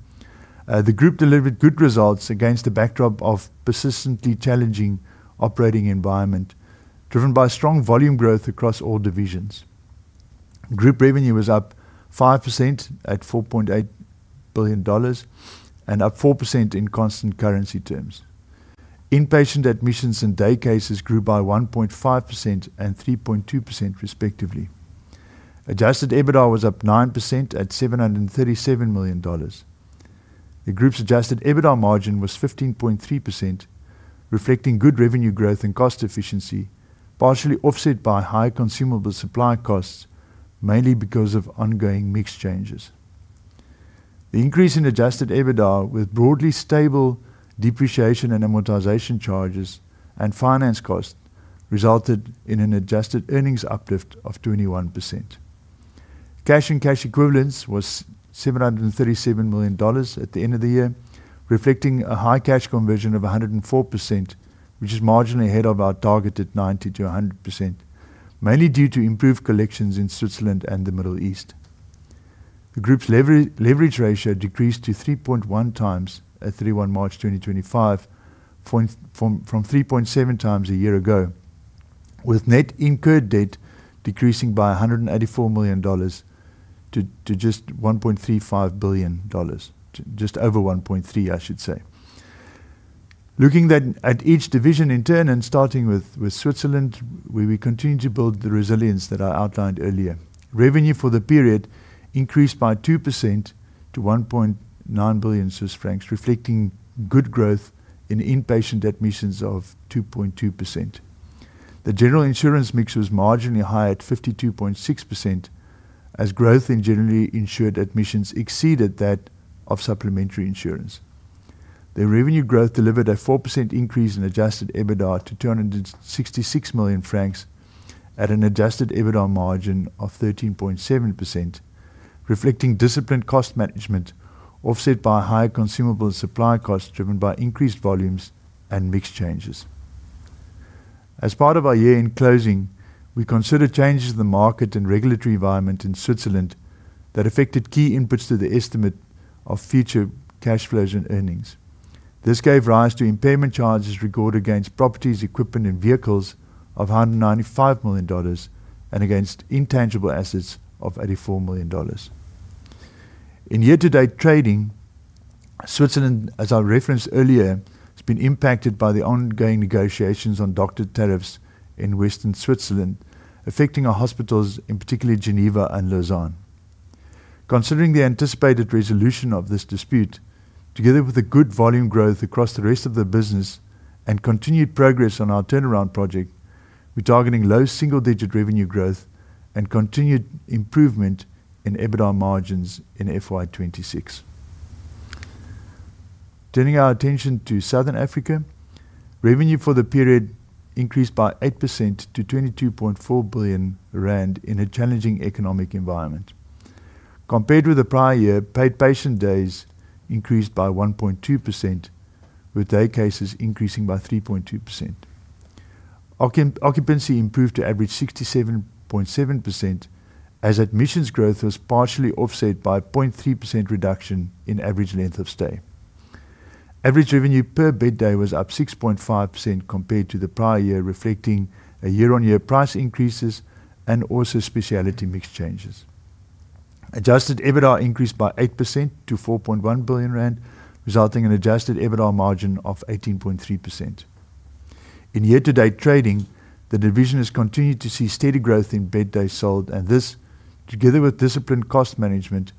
the group delivered good results against the backdrop of a persistently challenging operating environment, driven by strong volume growth across all divisions. Group revenue was up 5% at $4.8 billion and up 4% in constant currency terms. Inpatient admissions and day cases grew by 1.5% and 3.2% respectively. Adjusted EBITDA was up 9% at $737 million. The group's adjusted EBITDA margin was 15.3%, reflecting good revenue growth and cost efficiency, partially offset by high consumable supply costs, mainly because of ongoing mix changes. The increase in adjusted EBITDA, with broadly stable depreciation and amortization charges and finance costs, resulted in an adjusted earnings uplift of 21%. Cash and cash equivalents were $737 million at the end of the year, reflecting a high cash conversion of 104%, which is marginally ahead of our target at 90% to 100%, mainly due to improved collections in Switzerland and the Middle East. The group's leverage ratio decreased to 3.1x at 31 March 2025, from 3.7x a year ago, with net incurred debt decreasing by $184 million to just $1.35 billion, just over $1.3 billion, I should say. Looking at each division in turn, and starting with Switzerland, we continue to build the resilience that I outlined earlier. Revenue for the period increased by 2% to 1.9 billion Swiss francs reflecting good growth in inpatient admissions of 2.2%. The general insurance mix was marginally high at 52.6%, as growth in generally insured admissions exceeded that of supplementary insurance. The revenue growth delivered a 4% increase in adjusted EBITDA to 266 million francs at an adjusted EBITDA margin of 13.7%, reflecting disciplined cost management offset by high consumable supply costs driven by increased volumes and mix changes. As part of our year-end closing, we considered changes in the market and regulatory environment in Switzerland that affected key inputs to the estimate of future cash flows and earnings. This gave rise to impairment charges recorded against properties, equipment, and vehicles of $195 million and against intangible assets of $84 million. In year-to-date trading, Switzerland, as I referenced earlier, has been impacted by the ongoing negotiations on doctor tariffs in Western Switzerland, affecting our hospitals in particular Geneva and Lausanne. Considering the anticipated resolution of this dispute, together with the good volume growth across the rest of the business and continued progress on our turnaround project, we're targeting low single-digit revenue growth and continued improvement in EBITDA margins in FY 2026. Turning our attention to Southern Africa, revenue for the period increased by 8% to 22.4 billion rand in a challenging economic environment. Compared with the prior year, paid patient days increased by 1.2%, with day cases increasing by 3.2%. Occupancy improved to average 67.7%, as admissions growth was partially offset by a 0.3% reduction in average length of stay. Average revenue per bed day was up 6.5% compared to the prior year, reflecting year-on-year price increases and also specialty mix changes. Adjusted EBITDA increased by 8% to 4.1 billion rand, resulting in an adjusted EBITDA margin of 18.3%. In year-to-date trading, the division has continued to see steady growth in bed days sold, and this, together with disciplined cost management,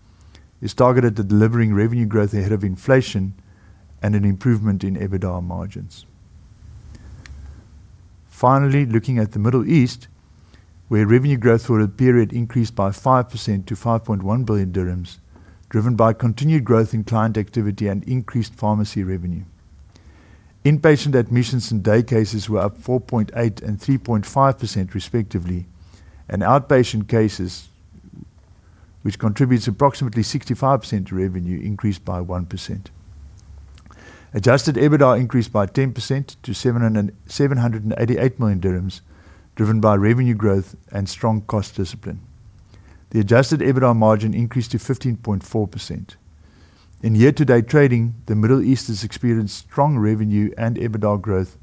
is targeted to delivering revenue growth ahead of inflation and an improvement in EBITDA margins. Finally, looking at the Middle East, where revenue growth for the period increased by 5% to 5.1 billion dirhams, driven by continued growth in client activity and increased pharmacy revenue. Inpatient admissions and day cases were up 4.8% and 3.5% respectively, and outpatient cases, which contributes approximately 65% to revenue, increased by 1%. Adjusted EBITDA increased by 10% to 788 million dirhams, driven by revenue growth and strong cost discipline. The adjusted EBITDA margin increased to 15.4%. In year-to-date trading, the Middle East has experienced strong revenue and EBITDA growth,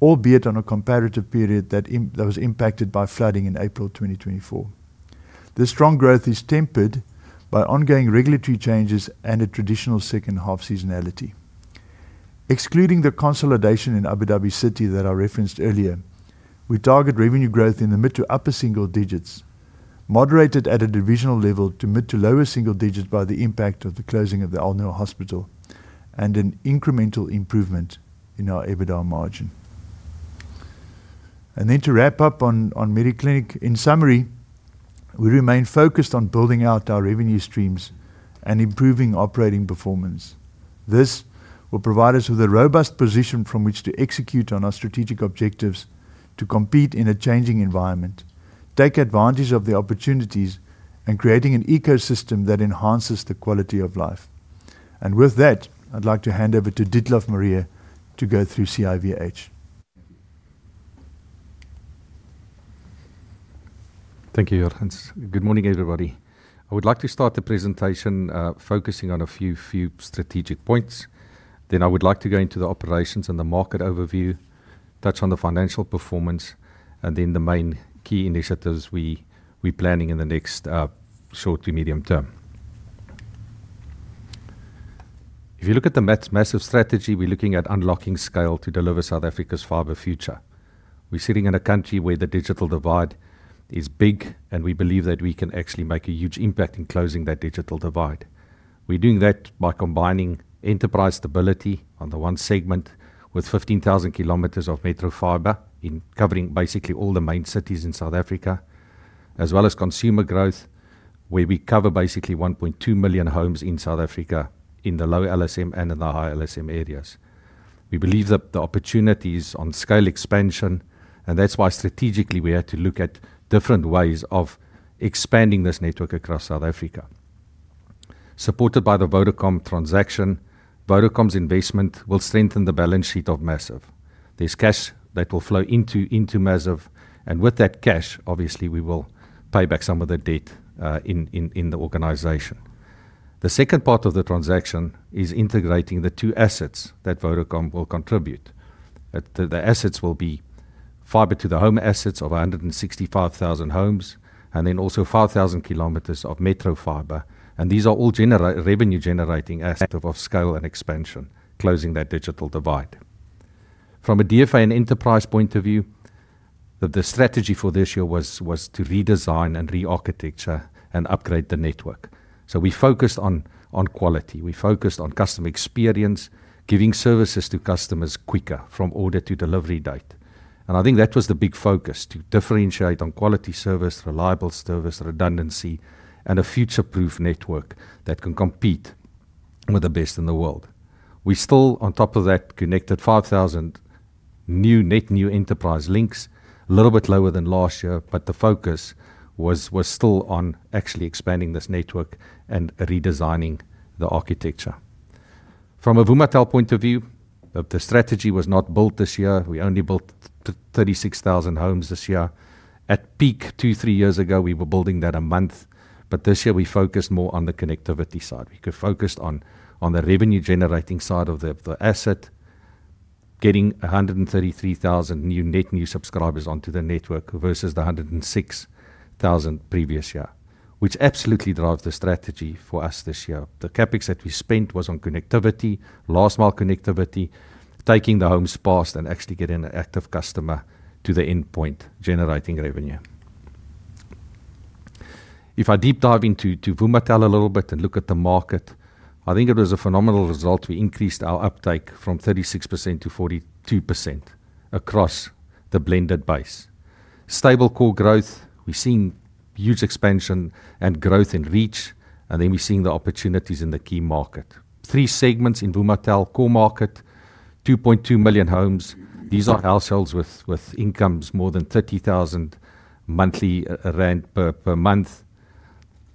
albeit on a comparative period that was impacted by flooding in April 2024. This strong growth is tempered by ongoing regulatory changes and a traditional second half seasonality. Excluding the consolidation in Abu Dhabi City that I referenced earlier, we target revenue growth in the mid to upper single digits, moderated at a divisional level to mid to lower single digits by the impact of the closing of the Al Noor Hospital, and an incremental improvement in our EBITDA margin. To wrap up on Mediclinic, in summary, we remain focused on building out our revenue streams and improving operating performance. This will provide us with a robust position from which to execute on our strategic objectives to compete in a changing environment, take advantage of the opportunities, and create an ecosystem that enhances the quality of life. With that, I'd like to hand over to Dietlof Mare to go through CIVH. Thank you, Jurgens. Good morning, everybody. I would like to start the presentation focusing on a few strategic points. Then I would like to go into the operations and the market overview, touch on the financial performance, and then the main key initiatives we're planning in the next short to medium term. If you look at the Maziv strategy, we're looking at unlocking scale to deliver South Africa's fiber future. We're sitting in a country where the digital divide is big, and we believe that we can actually make a huge impact in closing that digital divide. We're doing that by combining enterprise stability on the one segment with 15,000 km of metro fiber covering basically all the main cities in South Africa, as well as consumer growth, where we cover basically 1.2 million homes in South Africa in the low LSM and in the high LSM areas. We believe that the opportunity is on scale expansion, and that's why strategically we had to look at different ways of expanding this network across South Africa. Supported by the Vodacom transaction, Vodacom's investment will strengthen the balance sheet of Maziv. There's cash that will flow into Maziv, and with that cash, obviously, we will pay back some of the debt in the organization. The second part of the transaction is integrating the two assets that Vodacom will contribute. The assets will be fiber to the home assets of 165,000 homes, and then also 5,000 km of metro fiber, and these are all revenue-generating assets of scale and expansion, closing that digital divide. From a DFA and enterprise point of view, the strategy for this year was to redesign and re-architecture and upgrade the network. We focused on quality. We focused on customer experience, giving services to customers quicker from order to delivery date. I think that was the big focus, to differentiate on quality service, reliable service, redundancy, and a future-proof network that can compete with the best in the world. We still, on top of that, connected 5,000 new net new enterprise links, a little bit lower than last year, but the focus was still on actually expanding this network and redesigning the architecture. From a Vumatel point of view, the strategy was not built this year. We only built 36,000 homes this year. At peak, two, three years ago, we were building that a month. This year we focused more on the connectivity side. We could focus on the revenue-generating side of the asset, getting 133,000 new net new subscribers onto the network versus the 106,000 previous year, which absolutely drives the strategy for us this year. The CapEx that we spent was on connectivity, last mile connectivity, taking the homes past and actually getting an active customer to the endpoint, generating revenue. If I deep dive into Vumatel a little bit and look at the market, I think it was a phenomenal result. We increased our uptake from 36% to 42% across the blended base. Stable core growth, we've seen huge expansion and growth in reach, and then we're seeing the opportunities in the key market. Three segments in Vumatel, core market, 2.2 million homes. These are households with incomes more than 30,000 rand per month.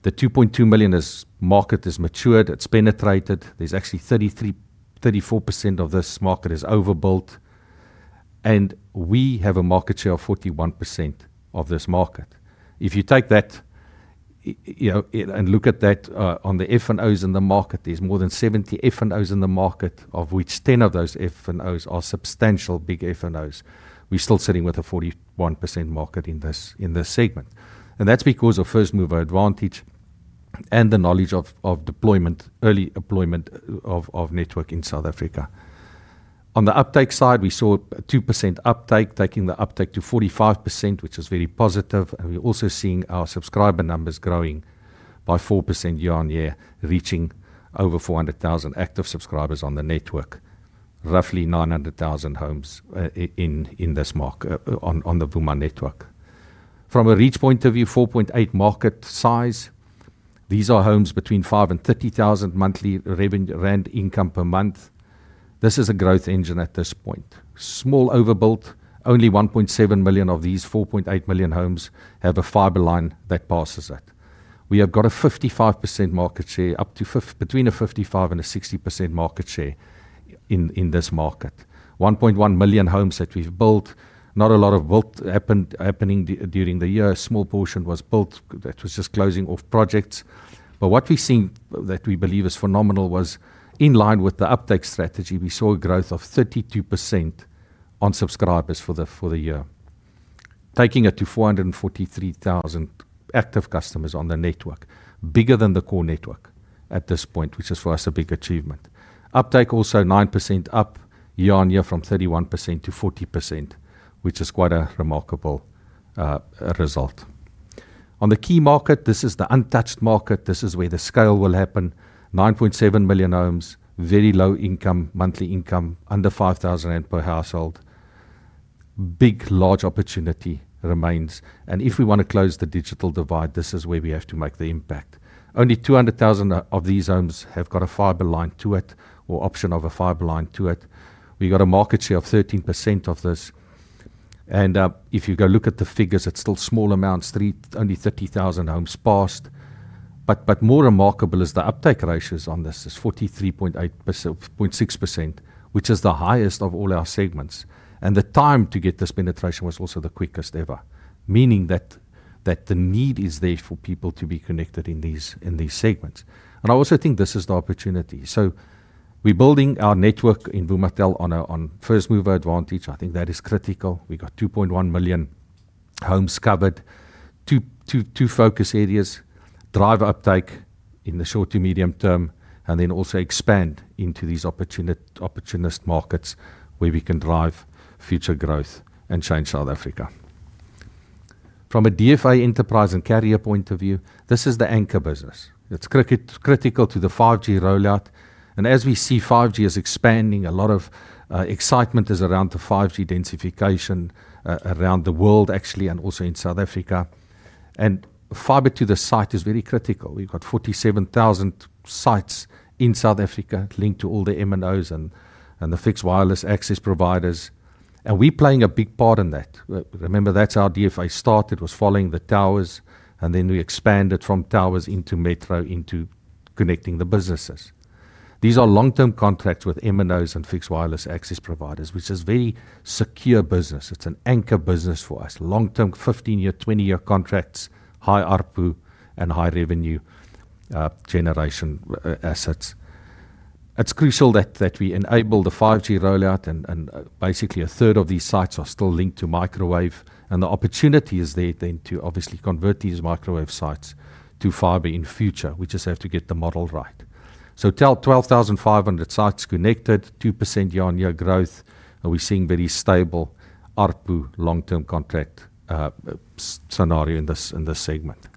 The 2.2 million market is matured. It's penetrated. There's actually 34% of this market is overbuilt, and we have a market share of 41% of this market. If you take that and look at that on the F&Os in the market, there's more than 70 F&Os in the market, of which 10 of those F&Os are substantial big F&Os. We're still sitting with a 41% market in this segment. That is because of first mover advantage and the knowledge of deployment, early deployment of network in South Africa. On the uptake side, we saw a 2% uptake, taking the uptake to 45%, which is very positive, and we're also seeing our subscriber numbers growing by 4% year on year, reaching over 400,000 active subscribers on the network, roughly 900,000 homes in this market on the Vuma network. From a reach point of view, 4.8 million market size, these are homes between 5,000 and 30,000 income per month. This is a growth engine at this point. Small overbuilt, only 1.7 million of these 4.8 million homes have a fiber line that passes it. We have got a 55% market share, up to between a 55% and a 60% market share in this market. 1.1 million homes that we've built, not a lot of build happening during the year. A small portion was built that was just closing off projects. What we've seen that we believe is phenomenal was, in line with the uptake strategy, we saw a growth of 32% on subscribers for the year, taking it to 443,000 active customers on the network, bigger than the core network at this point, which is for us a big achievement. Uptake also 9% up year on year from 31% to 40%, which is quite a remarkable result. On the key market, this is the untouched market. This is where the scale will happen. 9.7 million homes, very low income, monthly income under 5,000 rand per household. Big, large opportunity remains, and if we want to close the digital divide, this is where we have to make the impact. Only 200,000 of these homes have got a fiber line to it or option of a fiber line to it. We got a market share of 13% of this, and if you go look at the figures, it's still small amounts, only 30,000 homes passed. More remarkable is the uptake ratios on this. It's 43.6%, which is the highest of all our segments, and the time to get this penetration was also the quickest ever, meaning that the need is there for people to be connected in these segments. I also think this is the opportunity. We're building our network in Vumatel on a first mover advantage. I think that is critical. We got 2.1 million homes covered, two focus areas, drive uptake in the short to medium term, and then also expand into these opportunist markets where we can drive future growth and shine South Africa. From a DFA enterprise and carrier point of view, this is the anchor business. It's critical to the 5G rollout, and as we see, 5G is expanding. A lot of excitement is around the 5G densification around the world, actually, and also in South Africa, and fiber to the site is very critical. We've got 47,000 sites in South Africa linked to all the MNOs and the fixed wireless access providers, and we're playing a big part in that. Remember, that's how DFA started. It was following the towers, and then we expanded from towers into metro into connecting the businesses. These are long-term contracts with MNOs and fixed wireless access providers, which is a very secure business. It's an anchor business for us. Long-term, 15-year, 20-year contracts, high ARPU and high revenue generation assets. It's crucial that we enable the 5G rollout, and basically, a third of these sites are still linked to microwave, and the opportunity is there then to obviously convert these microwave sites to fiber in the future. We just have to get the model right. 12,500 sites connected, 2% year-on-year growth, and we're seeing very stable ARPU long-term contract scenario in this segment.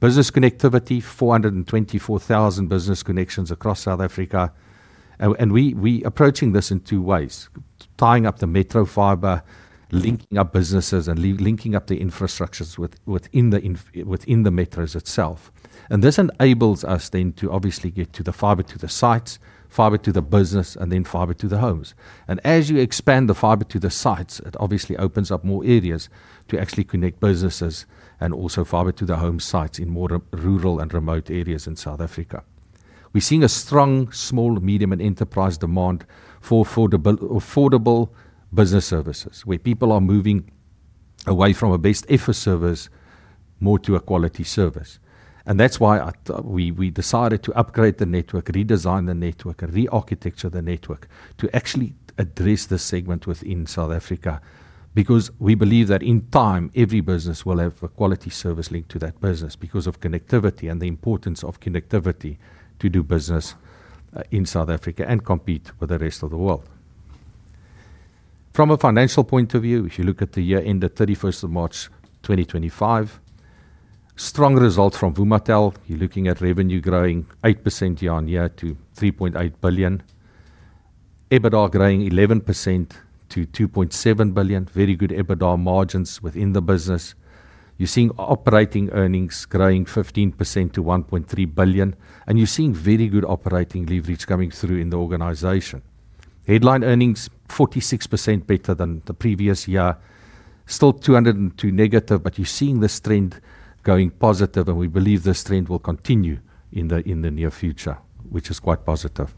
Business connectivity, 424,000 business connections across South Africa, and we're approaching this in two ways, tying up the metro fiber, linking up businesses, and linking up the infrastructures within the metros itself. This enables us then to obviously get to the fiber to the sites, fiber to the business, and then fiber to the homes. As you expand the fiber to the sites, it obviously opens up more areas to actually connect businesses and also fiber to the home sites in more rural and remote areas in South Africa. We're seeing a strong small, medium, and enterprise demand for affordable business services where people are moving away from a best effort service more to a quality service. That's why we decided to upgrade the network, redesign the network, and re-architecture the network to actually address this segment within South Africa because we believe that in time, every business will have a quality service linked to that business because of connectivity and the importance of connectivity to do business in South Africa and compete with the rest of the world. From a financial point of view, if you look at the year end of March 31, 2025, strong results from Vumatel. You're looking at revenue growing 8% year on year to 3.8 billion. EBITDA growing 11% to 2.7 billion. Very good EBITDA margins within the business. You're seeing operating earnings growing 15% to 1.3 billion, and you're seeing very good operating leverage coming through in the organization. Headline earnings 46% better than the previous year, still 202 million negative, but you're seeing this trend going positive, and we believe this trend will continue in the near future, which is quite positive.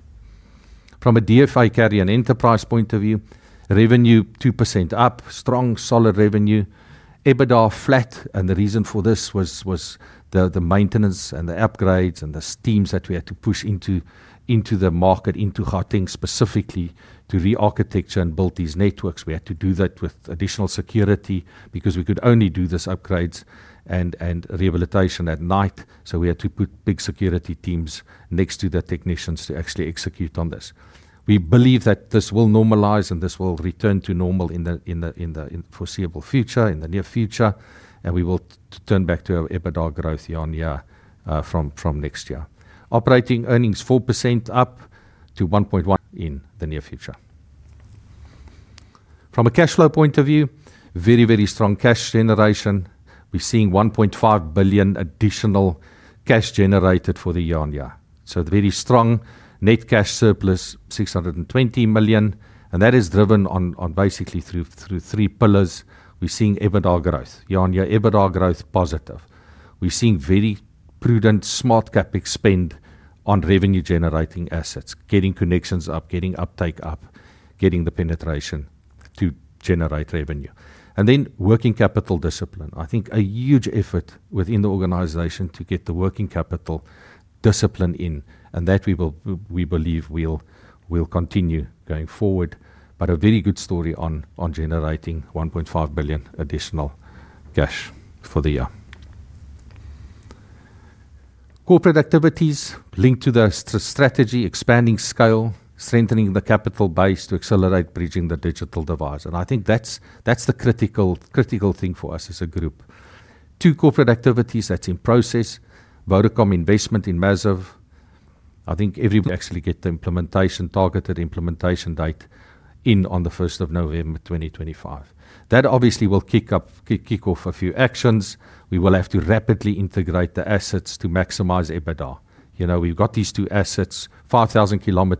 From a DFA carrier and enterprise point of view, revenue 2% up, strong solid revenue, EBITDA flat, and the reason for this was the maintenance and the upgrades and the teams that we had to push into the market, into Hattingh specifically to re-architecture and build these networks. We had to do that with additional security. We could only do these upgrades and rehabilitation at night, so we had to put big security teams next to the technicians to actually execute on this. We believe that this will normalize and this will return to normal in the foreseeable future, in the near future, and we will return back to our EBITDA growth year on year from next year. Operating earnings 4% up to 1.1 billion in the near future. From a cash flow point of view, very, very strong cash generation. We're seeing 1.5 billion additional cash generated for the year on year. Very strong net cash surplus, 620 million, and that is driven on basically through three pillars. We're seeing EBITDA growth, year on year EBITDA growth positive. We're seeing very prudent smart CapEx spend on revenue-generating assets, getting connections up, getting uptake up, getting the penetration to generate revenue. Then working capital discipline. I think a huge effort within the organization to get the working capital discipline in, and that we believe will continue going forward, but a very good story on generating 1.5 billion additional cash for the year. Corporate activities linked to the strategy, expanding scale, strengthening the capital base to accelerate bridging the digital divide. I think that's the critical thing for us as a group. Two corporate activities that's in process, Vodacom investment in Maziv. I think everybody actually gets the implementation targeted implementation date in on the 1st of November 2025. That obviously will kick off a few actions. We will have to rapidly integrate the assets to maximize EBITDA. We've got these two assets, 5,000 km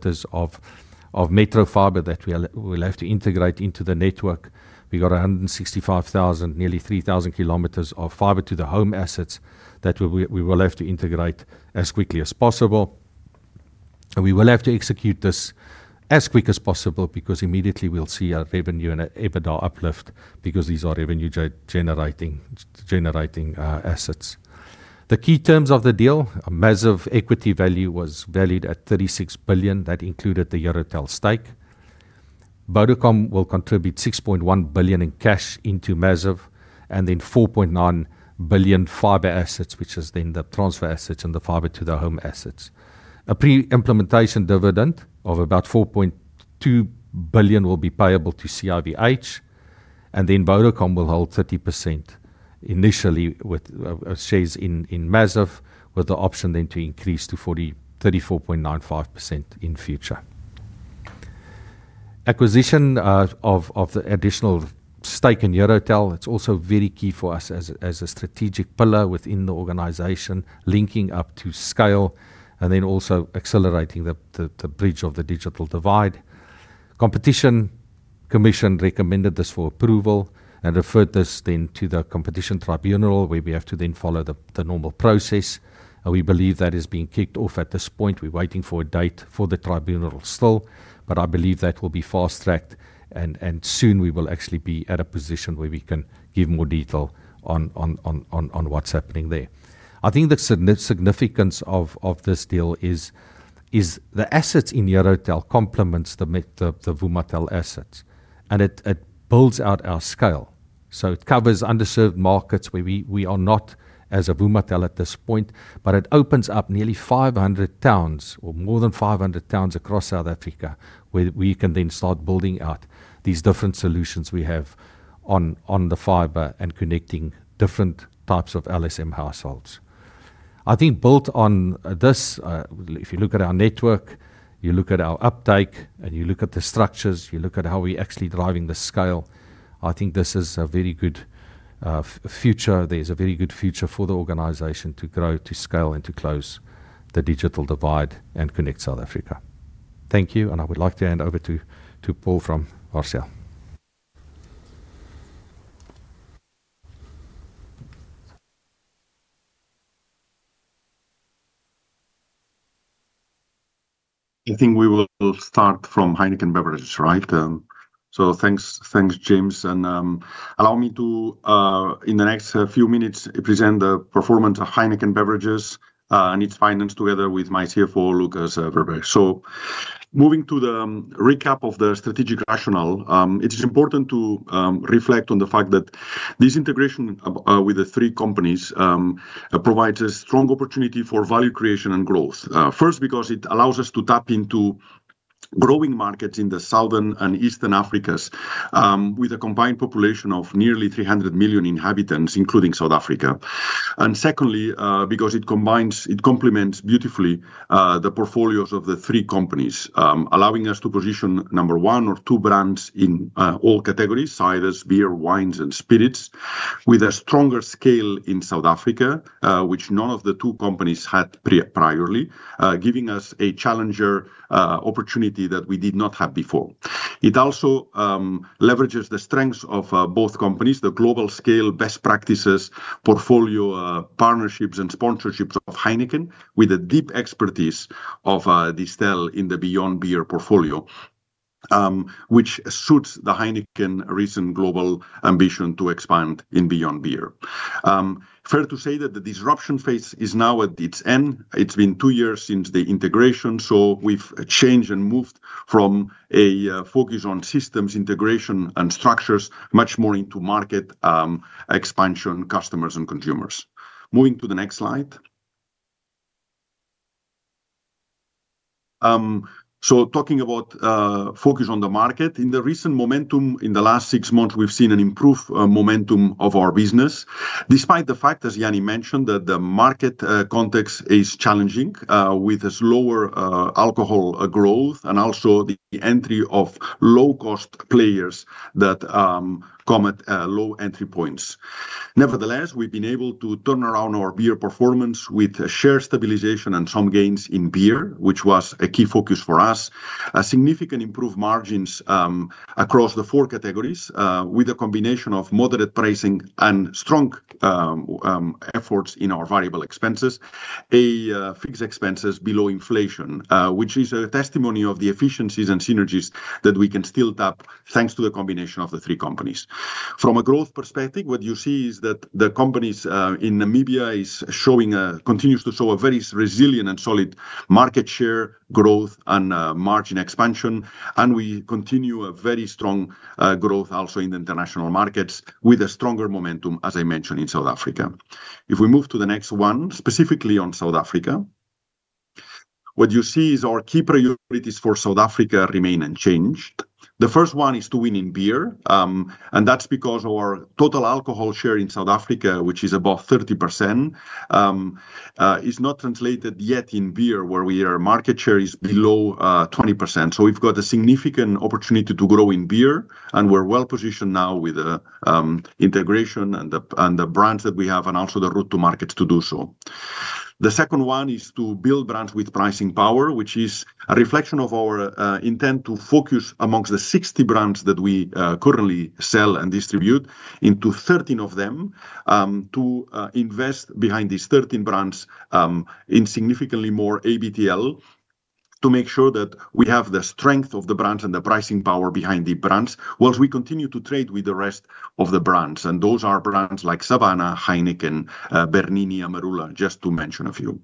of metro fiber that we'll have to integrate into the network. We've got 165,000 km, nearly 3,000 km of fiber to the home assets that we will have to integrate as quickly as possible. We will have to execute this as quick as possible because immediately we'll see a revenue and an EBITDA uplift because these are revenue-generating assets. The key terms of the deal, Maziv equity value was valued at 36 billion. That included the EuroTel stake. Vodacom will contribute 6.1 billion in cash into Maziv and then 4.9 billion fiber assets, which is then the transfer assets and the fiber to the home assets. A pre-implementation dividend of about 4.2 billion will be payable to CIVH, and then Vodacom will hold 30% initially with shares in Maziv, with the option then to increase to 34.95% in future. Acquisition of the additional stake in Eurotel, it's also very key for us as a strategic pillar within the organization, linking up to scale and then also accelerating the bridge of the digital divide. The Competition Commission recommended this for approval and referred this then to the Competition Tribunal where we have to then follow the normal process. We believe that is being kicked off at this point. We're waiting for a date for the tribunal still, but I believe that will be fast-tracked and soon we will actually be at a position where we can give more detail on what's happening there. I think the significance of this deal is the assets in Eurotel complement the Vumatel assets and it builds out our scale. It covers underserved markets where we are not as Vumatel at this point, but it opens up nearly 500 towns or more than 500 towns across South Africa where we can then start building out these different solutions we have on the fiber and connecting different types of LSM households. Built on this, if you look at our network, you look at our uptake and you look at the structures, you look at how we're actually driving the scale, I think this is a very good future. There's a very good future for the organization to grow, to scale, and to close the digital divide and connect South Africa. Thank you, and I would like to hand over to Paul from RCL. I think we will start from Heineken Beverages, right? Thanks, thanks, James. Allow me to, in the next few minutes, present the performance of Heineken Beverages and its finance together with my CFO, Lukas Verwey. Moving to the recap of the strategic rationale, it is important to reflect on the fact that this integration with the three companies provides a strong opportunity for value creation and growth. First, because it allows us to tap into growing markets in the Southern and Eastern Africas, with a combined population of nearly 300 million inhabitants, including South Africa. Secondly, because it complements beautifully the portfolios of the three companies, allowing us to position number one or two brands in all categories, ciders, beer, wines, and spirits, with a stronger scale in South Africa, which none of the two companies had priorly, giving us a challenger opportunity that we did not have before. It also leverages the strengths of both companies, the global scale, best practices, portfolio partnerships, and sponsorships of Heineken, with a deep expertise of Distell in the Beyond Beer portfolio, which suits the Heineken recent global ambition to expand in Beyond Beer. Fair to say that the disruption phase is now at its end. It's been two years since the integration. We've changed and moved from a focus on systems integration and structures much more into market expansion, customers, and consumers. Moving to the next slide. Talking about focus on the market, in the recent momentum, in the last six months, we've seen an improved momentum of our business. Despite the fact, as Jannie mentioned, that the market context is challenging with a slower alcohol growth and also the entry of low-cost players that come at low entry points. Nevertheless, we've been able to turn around our beer performance with a share stabilization and some gains in beer, which was a key focus for us. A significant improved margins across the four categories with a combination of moderate pricing and strong efforts in our variable expenses, a fixed expenses below inflation, which is a testimony of the efficiencies and synergies that we can still tap thanks to the combination of the three companies. From a growth perspective, what you see is that the companies in Namibia continue to show a very resilient and solid market share growth and margin expansion. We continue a very strong growth also in the international markets with a stronger momentum, as I mentioned, in South Africa. If we move to the next one, specifically on South Africa, what you see is our key priorities for South Africa remain unchanged. The first one is to win in beer. That's because our total alcohol share in South Africa, which is above 30%, is not translated yet in beer where our market share is below 20%. We've got a significant opportunity to grow in beer and we're well positioned now with the integration and the brands that we have and also the route to markets to do so. The second one is to build brands with pricing power, which is a reflection of our intent to focus amongst the 60 brands that we currently sell and distribute into 13 of them, to invest behind these 13 brands in significantly more ABTL to make sure that we have the strength of the brands and the pricing power behind the brands whilst we continue to trade with the rest of the brands. Those are brands like Savannah, Heineken, Bernini, Amarulla, just to mention a few.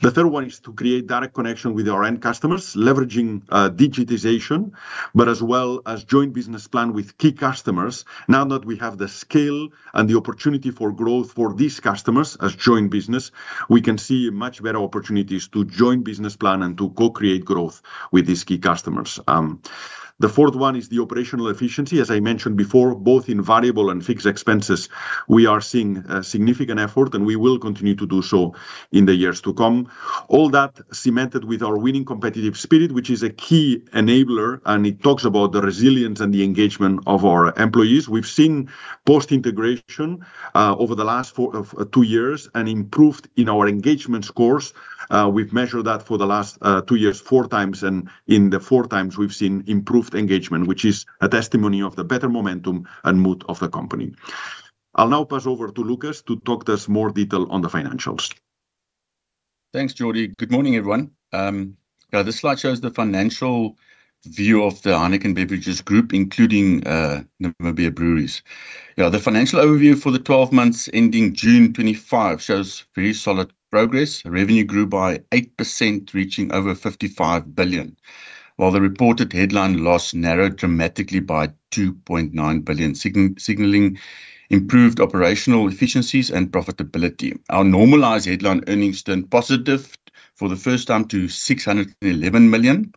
The third one is to create direct connection with our end customers, leveraging digitization, but as well as joint business plan with key customers. Now that we have the scale and the opportunity for growth for these customers as joint business, we can see much better opportunities to joint business plan and to co-create growth with these key customers. The fourth one is the operational efficiency. As I mentioned before, both in variable and fixed expenses, we are seeing a significant effort and we will continue to do so in the years to come. All that cemented with our winning competitive spirit, which is a key enabler, and it talks about the resilience and the engagement of our employees. We've seen post-integration over the last two years an improvement in our engagement scores. We've measured that for the last two years 4x, and in the 4x, we've seen improved engagement, which is a testimony of the better momentum and mood of the company. I'll now pass over to Lukas to talk to us more detail on the financials. Thanks, Jordi. Good morning, everyone. This slide shows the financial view of the Heineken Beverages Group, including Nimba Beer Breweries. The financial overview for the 12 months ending June 2025 shows very solid progress. Revenue grew by 8%, reaching over 55 billion, while the reported headline loss narrowed dramatically by 2.9 billion, signaling improved operational efficiencies and profitability. Our normalized headline earnings turned positive for the first time to 611 million.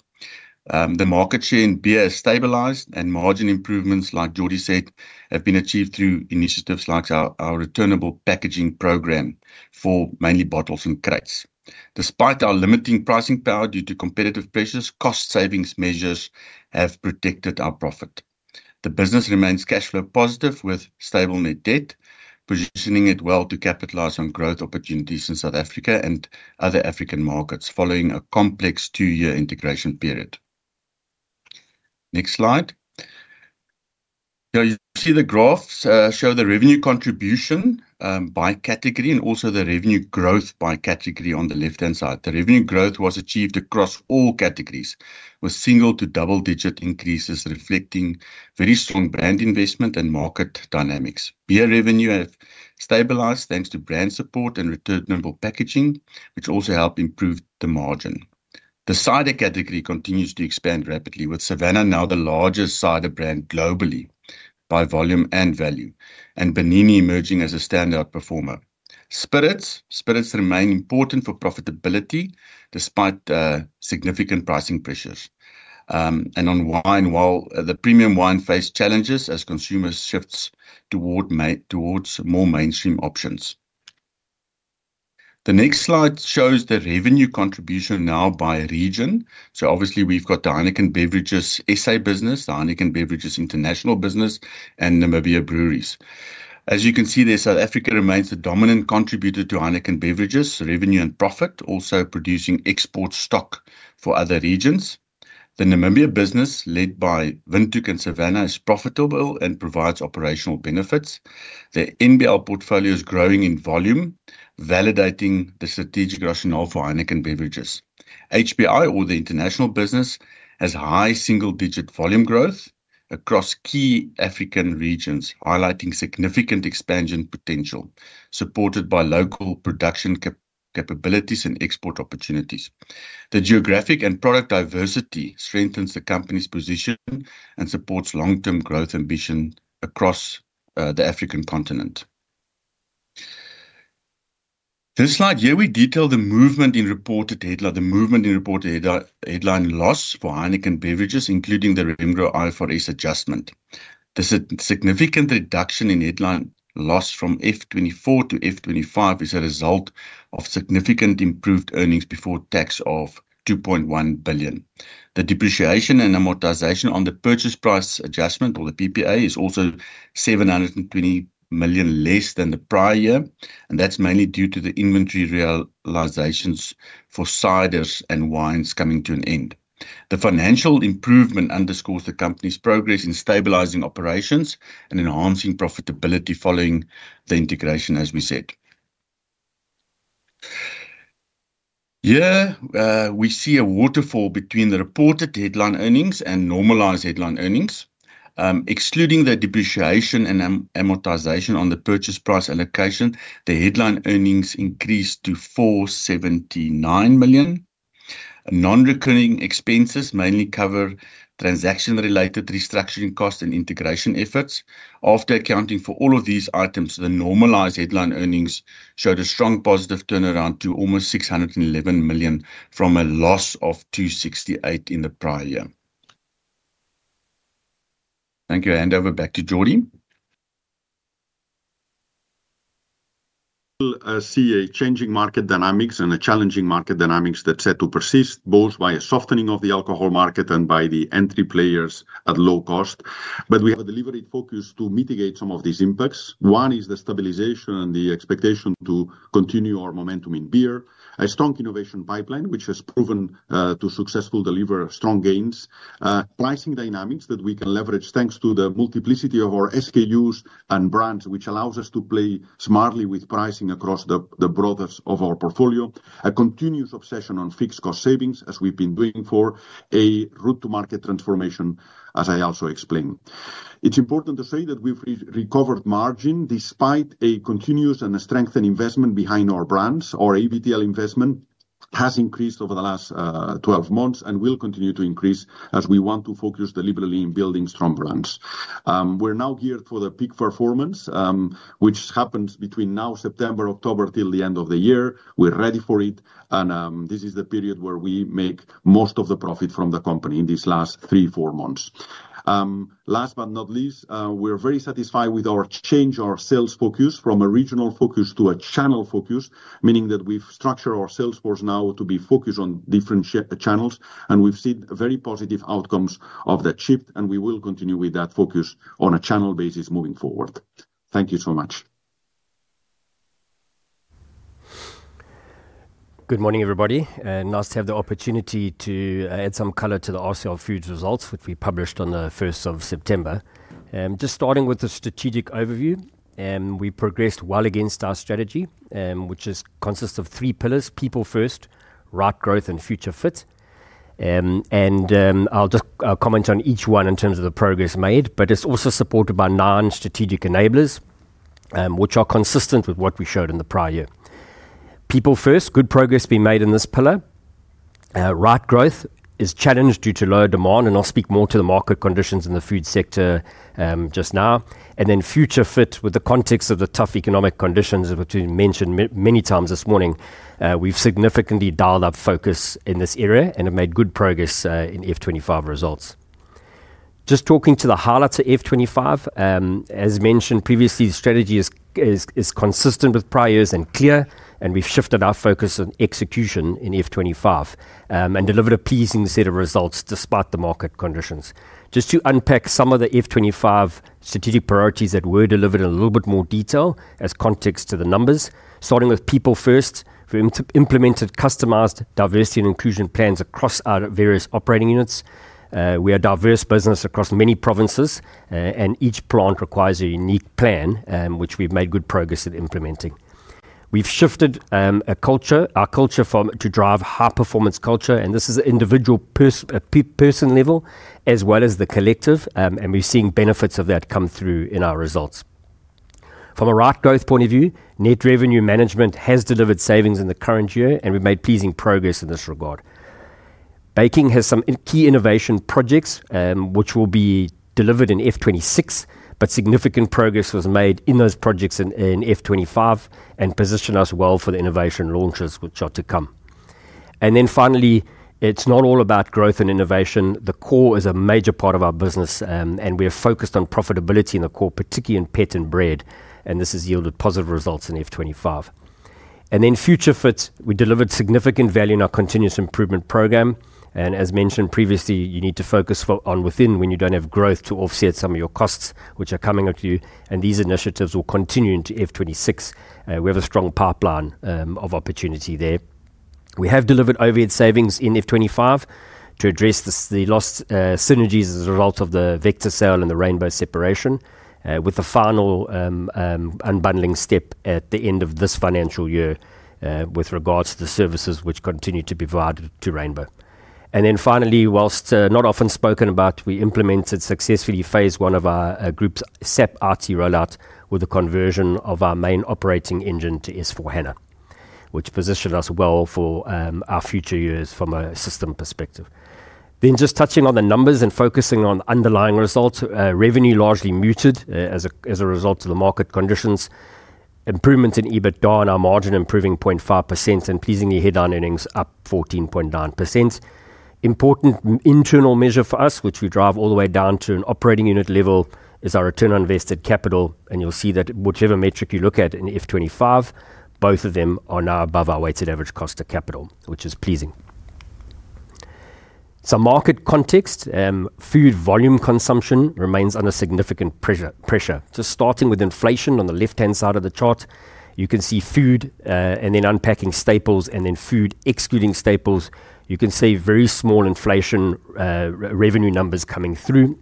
The market share in beer has stabilized, and margin improvements, like Jordi said, have been achieved through initiatives like our returnable packaging program for mainly bottles and crates. Despite our limiting pricing power due to competitive pressures, cost savings measures have protected our profit. The business remains cash flow positive with stable net debt, positioning it well to capitalize on growth opportunities in South Africa and other African markets following a complex two-year integration period. Next slide. You see the graphs show the revenue contribution by category and also the revenue growth by category on the left-hand side. The revenue growth was achieved across all categories with single to double-digit increases reflecting very strong brand investment and market dynamics. Beer revenue has stabilized thanks to brand support and returnable packaging, which also helped improve the margin. The cider category continues to expand rapidly with Savannah now the largest cider brand globally by volume and value, and Bernini emerging as a standout performer. Spirits remain important for profitability despite the significant pricing pressures. On wine, while the premium wine faced challenges as consumers shifted towards more mainstream options. The next slide shows the revenue contribution now by region. Obviously, we've got the Heineken Beverages SA business, the Heineken Beverages International business, and Namibia Beer Breweries. As you can see, South Africa remains the dominant contributor to Heineken Beverages revenue and profit, also producing export stock for other regions. The Namibia business led by Vintec and Savannah is profitable and provides operational benefits. The NBL portfolio is growing in volume, validating the strategic rationale for Heineken Beverages. HBI, or the international business, has high single-digit volume growth across key African regions, highlighting significant expansion potential supported by local production capabilities and export opportunities. The geographic and product diversity strengthens the company's position and supports long-term growth ambition across the African continent. This slide here we detail the movement in reported headline, the movement in reported headline loss for Heineken Beverages, including the Rembrandt IFRS adjustment. The significant reduction in headline loss from F 2024 to F 2025 is a result of significant improved earnings before tax of 2.1 billion. The depreciation and amortization on the purchase price adjustment, or the PPA, is also 720 million less than the prior year, and that's mainly due to the inventory realizations for ciders and wines coming to an end. The financial improvement underscores the company's progress in stabilizing operations and enhancing profitability following the integration, as we said. We see a waterfall between the reported headline earnings and normalized headline earnings. Excluding the depreciation and amortization on the purchase price allocation, the headline earnings increased to 479 million. Non-recurring expenses mainly cover transaction-related restructuring costs and integration efforts. After accounting for all of these items, the normalized headline earnings showed a strong positive turnaround to almost 611 million from a loss of 268 million in the prior year. Thank you. I hand over back to Jordi. We'll see changing market dynamics and a challenging market dynamic that's set to persist, both by a softening of the alcohol market and by the entry of players at low cost. We have a deliberate focus to mitigate some of these impacts. One is the stabilization and the expectation to continue our momentum in beer. A strong innovation pipeline, which has proven to successfully deliver strong gains. Pricing dynamics that we can leverage thanks to the multiplicity of our SKUs and brands, which allows us to play smartly with pricing across the broadness of our portfolio. A continuous obsession on fixed cost savings, as we've been doing for a route to market transformation, as I also explained. It's important to say that we've recovered margin despite a continuous and a strengthened investment behind our brands. Our ABTL investment has increased over the last 12 months and will continue to increase as we want to focus deliberately on building strong brands. We're now geared for the peak performance, which happens between now, September, October, till the end of the year. We're ready for it. This is the period where we make most of the profit from the company in these last three, four months. Last but not least, we're very satisfied with our change, our sales focus from a regional focus to a channel focus, meaning that we've structured our sales force now to be focused on different channels. We've seen very positive outcomes of the shift, and we will continue with that focus on a channel basis moving forward. Thank you so much. Good morning, everybody. Nice to have the opportunity to add some color to the RCL Foods results, which we published on the 1st of September. Just starting with the strategic overview, we progressed well against our strategy, which consists of three pillars: people first, right growth, and future fit. I'll just comment on each one in terms of the progress made, but it's also supported by non-strategic enablers, which are consistent with what we showed in the prior year. People first, good progress being made in this pillar. Right growth is challenged due to lower demand, and I'll speak more to the market conditions in the food sector just now. Future fit, with the context of the tough economic conditions, which we mentioned many times this morning, we've significantly dialed up focus in this area and have made good progress in F 2025 results. Just talking to the highlights of F 2025, as mentioned previously, the strategy is consistent with priors and clear, and we've shifted our focus on execution in F 2025 and delivered a pleasing set of results despite the market conditions. Just to unpack some of the F 2025 strategic priorities that were delivered in a little bit more detail as context to the numbers, starting with people first, we implemented customized diversity and inclusion plans across our various operating units. We are a diverse business across many provinces, and each plant requires a unique plan, which we've made good progress at implementing. We've shifted our culture to drive high-performance culture, and this is at an individual person level as well as the collective, and we've seen benefits of that come through in our results. From a right growth point of view, net revenue management has delivered savings in the current year, and we've made pleasing progress in this regard. Baking has some key innovation projects, which will be delivered in F 2026, but significant progress was made in those projects in F 2025 and positioned us well for the innovation launches, which are to come. Finally, it's not all about growth and innovation. The core is a major part of our business, and we are focused on profitability in the core, particularly in pet and bread, and this has yielded positive results in F 2025. Future fit, we delivered significant value in our continuous improvement program, and as mentioned previously, you need to focus on within when you don't have growth to offset some of your costs, which are coming at you, and these initiatives will continue into F 2026. We have a strong pipeline of opportunity there. We have delivered overhead savings in F 2025 to address the lost synergies as a result of the Vector sale and the RAINBOW separation, with the final unbundling step at the end of this financial year with regards to the services which continue to be provided to RAINBOW. Finally, whilst not often spoken about, we implemented successfully phase one of our group's SAP RT rollout with the conversion of our main operating engine to S/4HANA, which positioned us well for our future years from a system perspective. Just touching on the numbers and focusing on underlying results, revenue largely muted as a result of the market conditions. Improvements in EBITDA and our margin improving 0.5%, and pleasingly headline earnings up 14.9%. Important internal measure for us, which we drive all the way down to an operating unit level, is our return on invested capital, and you'll see that whichever metric you look at in F 2025, both of them are now above our weighted average cost of capital, which is pleasing. Some market context, food volume consumption remains under significant pressure. Just starting with inflation on the left-hand side of the chart, you can see food, and then unpacking staples, and then food excluding staples, you can see very small inflation revenue numbers coming through,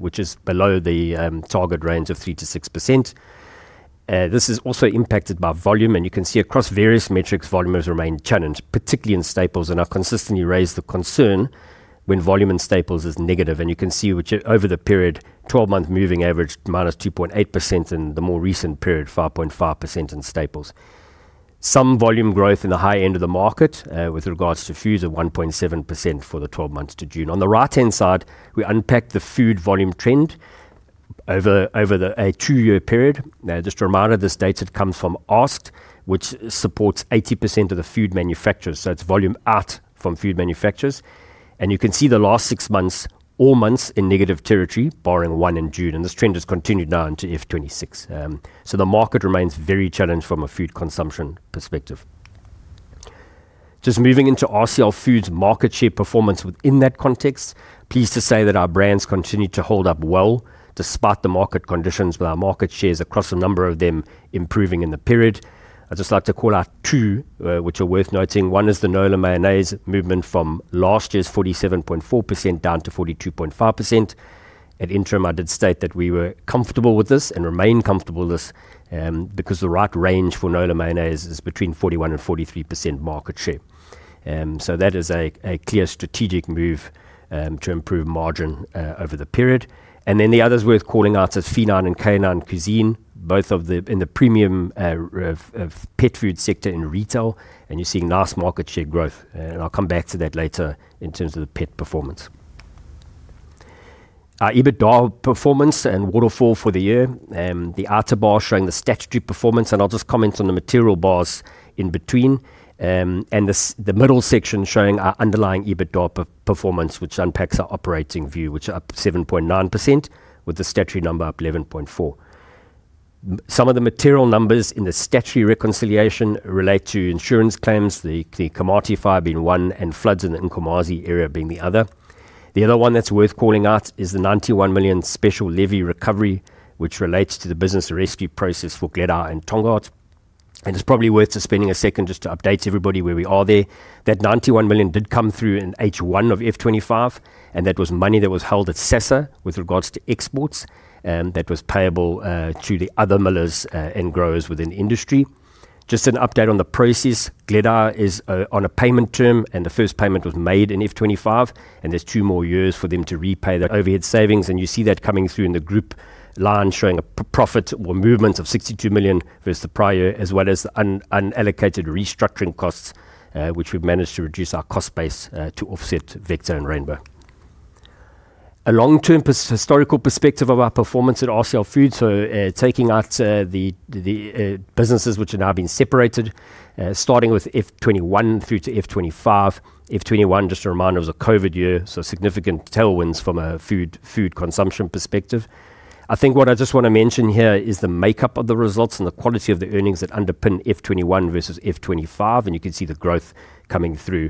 which is below the target range of 3%-6%. This is also impacted by volume, and you can see across various metrics, volumes remain challenged, particularly in staples, and I've consistently raised the concern when volume in staples is negative, and you can see over the period, 12-month moving average -2.8% and the more recent period 5.5% in staples. Some volume growth in the high end of the market with regards to foods at 1.7% for the 12 months to June. On the right-hand side, we unpack the food volume trend over a two-year period. Just a reminder, this data comes from Asked, which supports 80% of the food manufacturers, so it's volume out from food manufacturers, and you can see the last six months, all months in negative territory, barring one in June, and this trend has continued now into F 2026. The market remains very challenged from a food consumption perspective. Just moving into RCL Foods market share performance within that context, pleased to say that our brands continue to hold up well despite the market conditions, with our market shares across a number of them improving in the period. I'd just like to call out two, which are worth noting. One is the Nola mayonnaise movement from last year's 47.4% down to 42.5%. At interim, I did state that we were comfortable with this and remain comfortable with this because the right range for Nola mayonnaise is between 41% and 43% market share. That is a clear strategic move to improve margin over the period. The others worth calling out are Feline and Canine Cuisine, both in the premium pet food sector in retail, and you're seeing nice market share growth. I'll come back to that later in terms of the pet performance. Our EBITDA performance and waterfall for the year, the outer bar showing the statutory performance, and I'll just comment on the material bars in between, and the middle section showing our underlying EBITDA performance, which unpacks our operating view, which is up 7.9% with the statutory number up 11.4%. Some of the material numbers in the statutory reconciliation relate to insurance claims, the Komati Fire being one, and floods in the Komati area being the other. The other one that's worth calling out is the 91 million special levy recovery, which relates to the business rescue process for Gledhow and Tongaat, and it's probably worth spending a second just to update everybody where we are there. That 91 million did come through in H1 of FY 2025, and that was money that was held at CESA with regards to exports, and that was payable to the other millers and growers within the industry. Just an update on the process, Gledhow is on a payment term, and the first payment was made in FY 2025, and there's two more years for them to repay the overhead savings, and you see that coming through in the group line showing a profit or movement of 62 million versus the prior, as well as unallocated restructuring costs, which we've managed to reduce our cost base to offset Vector and RAINBOW. A long-term historical perspective of our performance at RCL Foods, so taking out the businesses which are now being separated, starting with FY 2021 through to FY 2025. FY 2021, just a reminder, was a COVID year, so significant tailwinds from a food consumption perspective. I think what I just want to mention here is the makeup of the results and the quality of the earnings that underpin F 2021 versus F 2025, and you can see the growth coming through.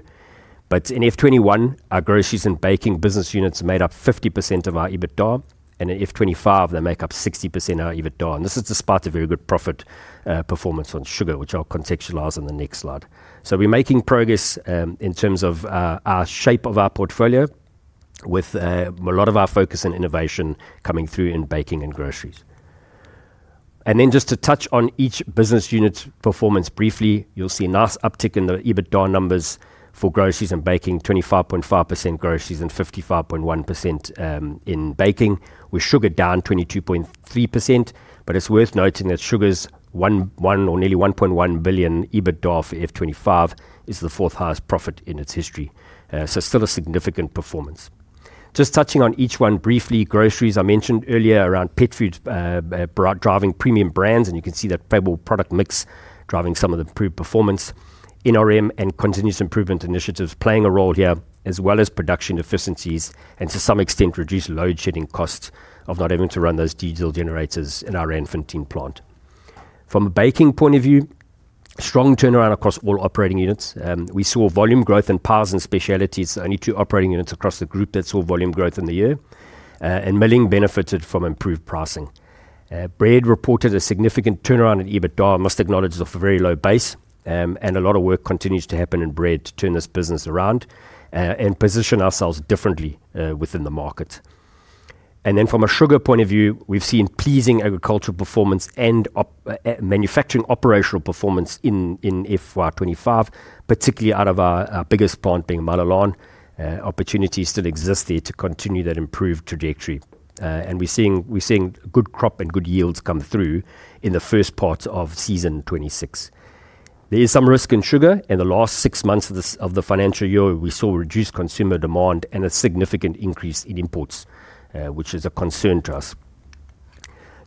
In F 2021, our groceries and baking business units made up 50% of our EBITDA, and in F 2025, they make up 60% of our EBITDA. This is despite a very good profit performance on sugar, which I'll contextualize in the next slide. We're making progress in terms of the shape of our portfolio with a lot of our focus and innovation coming through in baking and groceries. Just to touch on each business unit's performance briefly, you'll see a nice uptick in the EBITDA numbers for groceries and baking, 25.5% groceries and 55.1% in baking, with sugar down 22.3%. It's worth noting that sugar's one or nearly 1.1 billion EBITDA for F 2025 is the fourth highest profit in its history, so still a significant performance. Just touching on each one briefly, groceries I mentioned earlier around pet food driving premium brands, and you can see that favorable product mix driving some of the improved performance. NRM and continuous improvement initiatives are playing a role here, as well as production efficiencies, and to some extent reduced load shedding costs of not having to run those diesel generators in our infantine plant. From a baking point of view, strong turnaround across all operating units. We saw volume growth in pies and specialties, only two operating units across the group that saw volume growth in the year, and milling benefited from improved pricing. Bread reported a significant turnaround in EBITDA, must acknowledge, off a very low base, and a lot of work continues to happen in bread to turn this business around and position ourselves differently within the market. From a sugar point of view, we've seen pleasing agricultural performance and manufacturing operational performance in FY 2025, particularly out of our biggest plant being Malalon. Opportunities still exist there to continue that improved trajectory, and we're seeing good crop and good yields come through in the first part of season 26. There is some risk in sugar, and the last six months of the financial year, we saw reduced consumer demand and a significant increase in imports, which is a concern to us.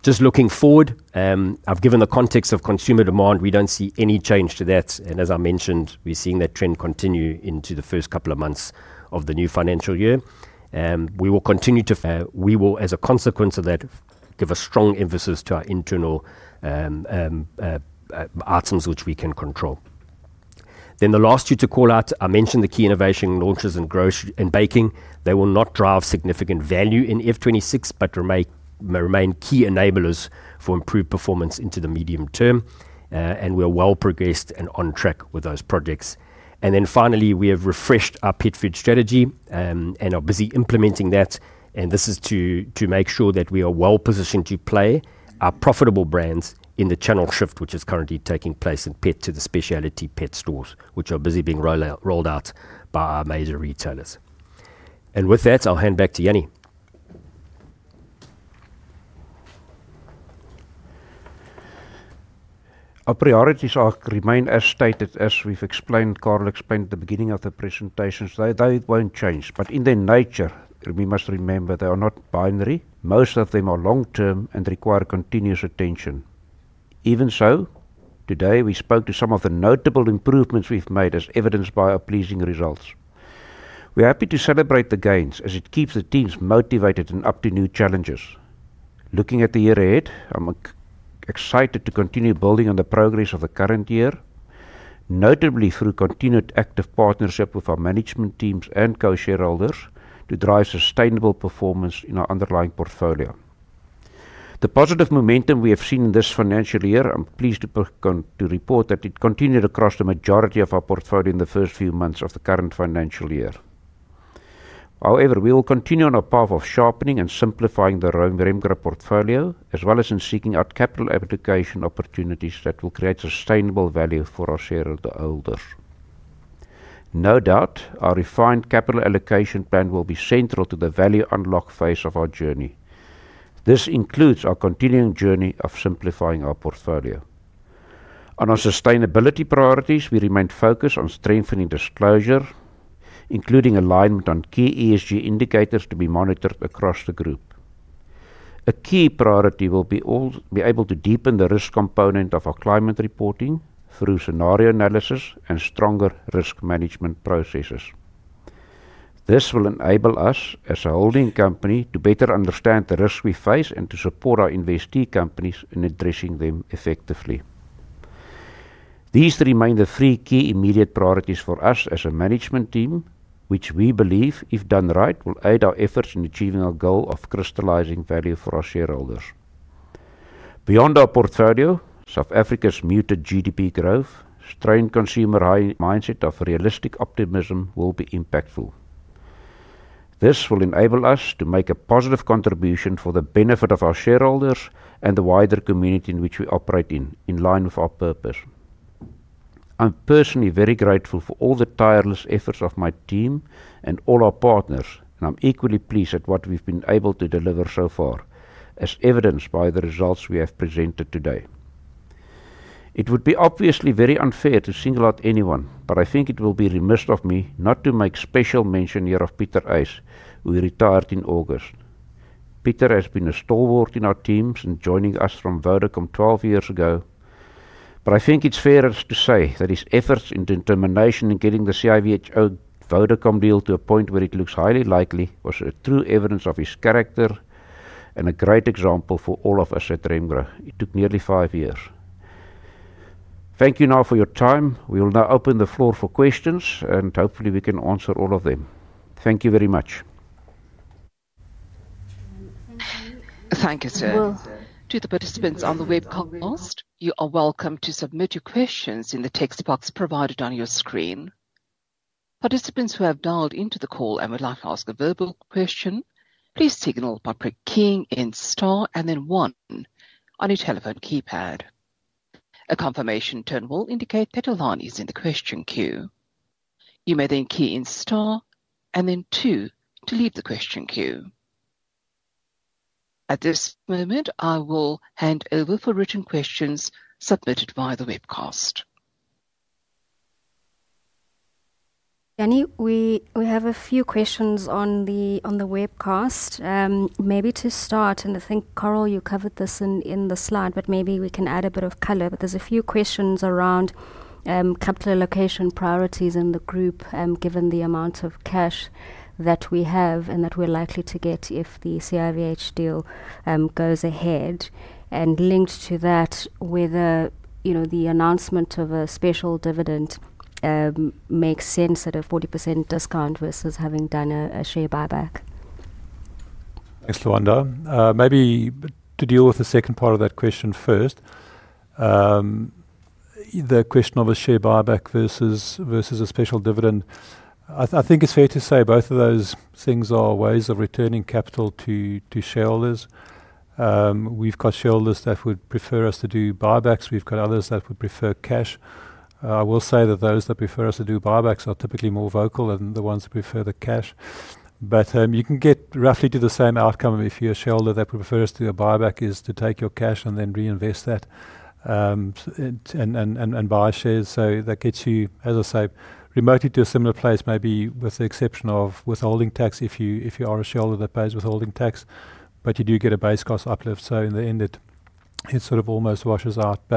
Just looking forward, I've given the context of consumer demand. We don't see any change to that, and as I mentioned, we're seeing that trend continue into the first couple of months of the new financial year. We will continue to. As a consequence of that, we will give a strong emphasis to our internal items which we can control. The last year to call out, I mentioned the key innovation launches in baking. They will not drive significant value in F 2026, but may remain key enablers for improved performance into the medium term, and we're well progressed and on track with those projects. Finally, we have refreshed our pet food strategy and are busy implementing that. This is to make sure that we are well positioned to play our profitable brands in the channel shift, which is currently taking place in pet to the specialty pet stores, which are busy being rolled out by our major retailers. With that, I'll hand back to Jannie. Our priorities remain as stated as we've explained, Carel explained at the beginning of the presentation. They won't change, but in their nature, we must remember they are not binary. Most of them are long-term and require continuous attention. Even so, today we spoke to some of the notable improvements we've made, as evidenced by our pleasing results. We're happy to celebrate the gains, as it keeps the teams motivated and up to new challenges. Looking at the year ahead, I'm excited to continue building on the progress of the current year, notably through continued active partnership with our management teams and co-shareholders to drive sustainable performance in our underlying portfolio. The positive momentum we have seen in this financial year, I'm pleased to report that it continued across the majority of our portfolio in the first few months of the current financial year. However, we will continue on our path of sharpening and simplifying the Remgro portfolio, as well as in seeking out capital allocation opportunities that will create sustainable value for our shareholders. No doubt, our refined capital allocation plan will be central to the value unlock phase of our journey. This includes our continuing journey of simplifying our portfolio. On our sustainability priorities, we remain focused on strengthening disclosure, including alignment on key ESG indicators to be monitored across the group. A key priority will be able to deepen the risk component of our climate reporting through scenario analysis and stronger risk management processes. This will enable us, as a holding company, to better understand the risks we face and to support our investee companies in addressing them effectively. These remain the three key immediate priorities for us as a management team, which we believe, if done right, will aid our efforts in achieving our goal of crystallizing value for our shareholders. Beyond our portfolio, South Africa's muted GDP growth, strained consumer mindset of realistic optimism will be impactful. This will enable us to make a positive contribution for the benefit of our shareholders and the wider community in which we operate in, in line with our purpose. I'm personally very grateful for all the tireless efforts of my team and all our partners, and I'm equally pleased at what we've been able to deliver so far, as evidenced by the results we have presented today. It would be obviously very unfair to single out anyone, but I think it will be remiss of me not to make special mention here of Peter Ice, who retired in August. Peter has been a stalwart in our teams and joining us from Vodacom 12 years ago, but I think it's fairer to say that his efforts and determination in getting the CIVH Vodacom deal to a point where it looks highly likely was a true evidence of his character and a great example for all of us at Remgro. It took nearly five years. Thank you now for your time. We will now open the floor for questions, and hopefully we can answer all of them. Thank you very much. Thank you, sir. To the participants on the webcast, you are welcome to submit your questions in the text box provided on your screen. Participants who have dialed into the call and would like to ask a verbal question, please signal by keying in star and then one on your telephone keypad. A confirmation tone will indicate that a line is in the question queue. You may then key in star and then two to leave the question queue. At this moment, I will hand over for written questions submitted via the webcast. Jannie, we have a few questions on the webcast. Maybe to start, and I think, Carel, you covered this in the slide, but maybe we can add a bit of color. There are a few questions around capital allocation priorities in the group, given the amount of cash that we have and that we're likely to get if the CIVH deal goes ahead. Linked to that, whether the announcement of a special dividend makes sense at a 40% discount versus having done a share buyback. Thanks, Lwanda. Maybe to deal with the second part of that question first, the question of a share buyback versus a special dividend, I think it's fair to say both of those things are ways of returning capital to shareholders. We've got shareholders that would prefer us to do buybacks. We've got others that would prefer cash. I will say that those that prefer us to do buybacks are typically more vocal than the ones that prefer the cash. You can get roughly to the same outcome if you're a shareholder that prefers to do a buyback, to take your cash and then reinvest that and buy shares. That gets you, as I say, remotely to a similar place, maybe with the exception of withholding tax if you are a shareholder that pays withholding tax. You do get a base cost uplift. In the end, it sort of almost washes out.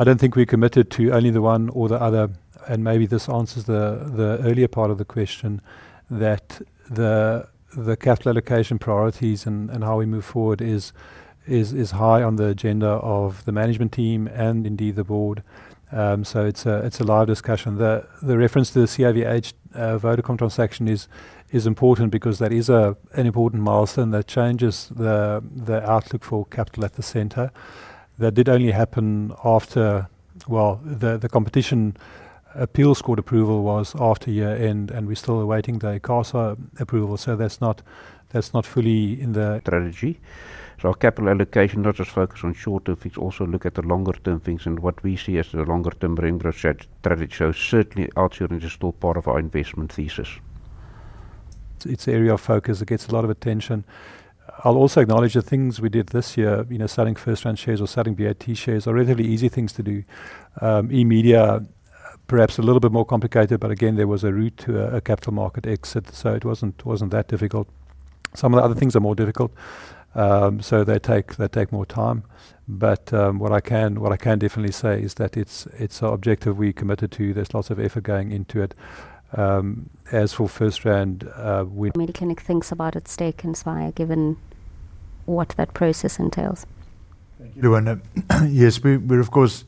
I don't think we committed to only the one or the other. Maybe this answers the earlier part of the question that the capital allocation priorities and how we move forward is high on the agenda of the management team and indeed the board. It's a live discussion. The reference to the CIVH Vodacom transaction is important because that is an important milestone that changes the outlook for capital at the center. That did only happen after, well, the Competition Appeals Court approval was after year end, and we're still awaiting the ICASA approval. That's not fully in the strategy. Our capital allocation not just focused on shorter fees, also look at the longer-term things. What we see as the longer-term Remgro strategy shows certainly outshining is still part of our investment thesis. It's an area of focus that gets a lot of attention. I'll also acknowledge the things we did this year, you know, selling FirstRand shares or selling BAT shares are relatively easy things to do. eMedia perhaps a little bit more complicated, but again, there was a route to a capital market exit, so it wasn't that difficult. Some of the other things are more difficult, so they take more time. What I can definitely say is that it's our objective we committed to. There's lots of effort going into it. As for FirstRand, we... Maybe can you think about it's taken Spire given what that process entails? Thank you, Lwanda. Yes, we're of course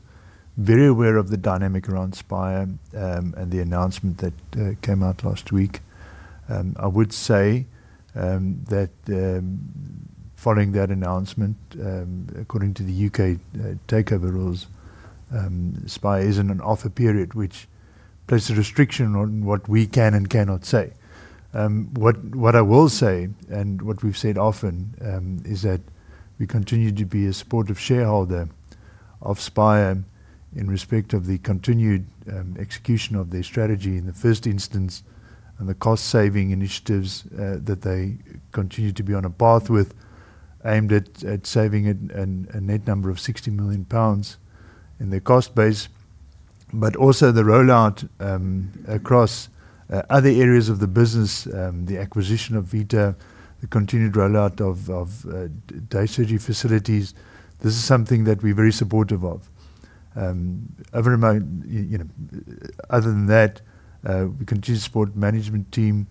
very aware of the dynamic around Spire and the announcement that came out last week. I would say that following that announcement, according to the UK takeover rules, Spire is in an offer period, which places a restriction on what we can and cannot say. What I will say, and what we've said often, is that we continue to be a supportive shareholder of Spire in respect of the continued execution of their strategy in the first instance and the cost-saving initiatives that they continue to be on a path with, aimed at saving a net number of 60 million pounds in their cost base, but also the rollout across other areas of the business, the acquisition of Vita, the continued rollout of day surgery facilities. This is something that we're very supportive of. Other than that, we continue to support the management team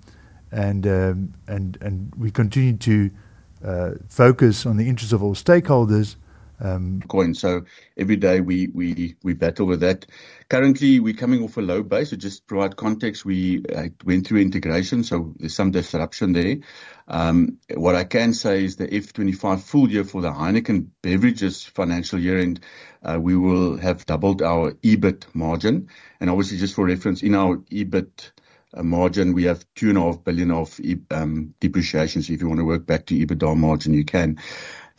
and we continue to focus on the interests of all stakeholders. Coin. Every day we battle with that. Currently, we're coming off a low base. To provide context, we went through integration, so there's some disruption there. What I can say is the F 2025 full year for the Heineken Beverages financial year, and we will have doubled our EBIT margin. Obviously, just for reference, in our EBIT margin, we have 2.5 billion of depreciations. If you want to work back to EBITDA margin, you can.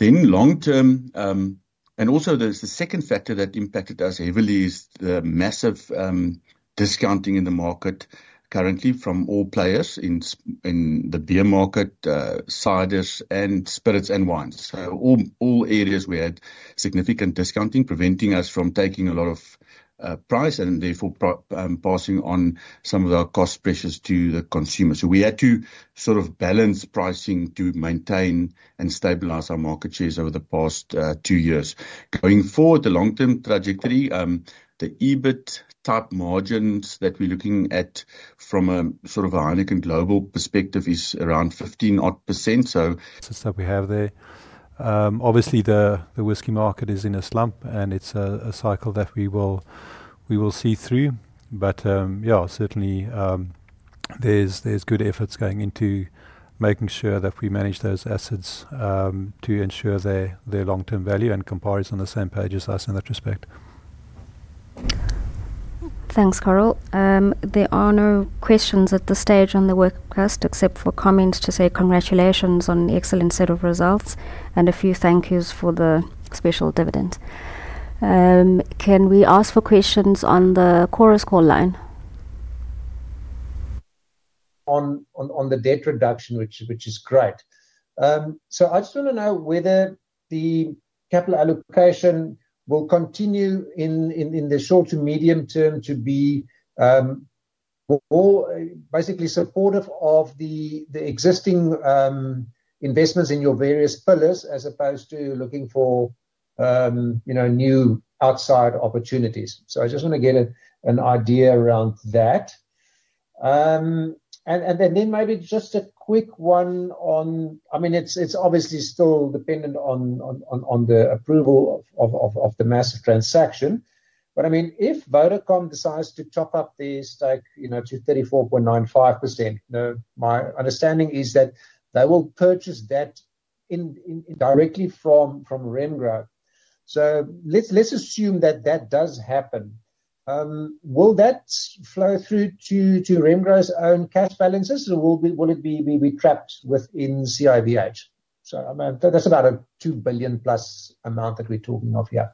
Long term, the second factor that impacted us heavily is the massive discounting in the market currently from all players in the beer market, ciders, spirits, and wines. All areas had significant discounting preventing us from taking a lot of price and therefore passing on some of our cost pressures to the consumer. We had to sort of balance pricing to maintain and stabilize our market shares over the past two years. Going forward, the long-term trajectory, the EBIT type margins that we're looking at from a Heineken global perspective is around 15% odd. Assets that we have there. Obviously, the whisky market is in a slump and it's a cycle that we will see through. Yeah, certainly there's good efforts going into making sure that we manage those assets to ensure their long-term value, and comparison on the same page as us in that respect. Thanks, Carel. There are no questions at this stage on the webcast except for comments to say congratulations on the excellent set of results and a few thank yous for the special dividend. Can we ask for questions on the chorus call line? On the debt reduction, which is great. I just want to know whether the capital allocation will continue in the short to medium term to be more basically supportive of the existing investments in your various pillars as opposed to looking for new outside opportunities. I just want to get an idea around that. Maybe just a quick one on, I mean, it's obviously still dependent on the approval of the massive transaction. If Vodacom decides to chop up these to 34.95%, my understanding is that they will purchase that directly from Remgro. Let's assume that that does happen. Will that flow through to Remgro's own cash balances or will it be trapped within CIVH? That's about a $2 billion+ amount that we're talking of here.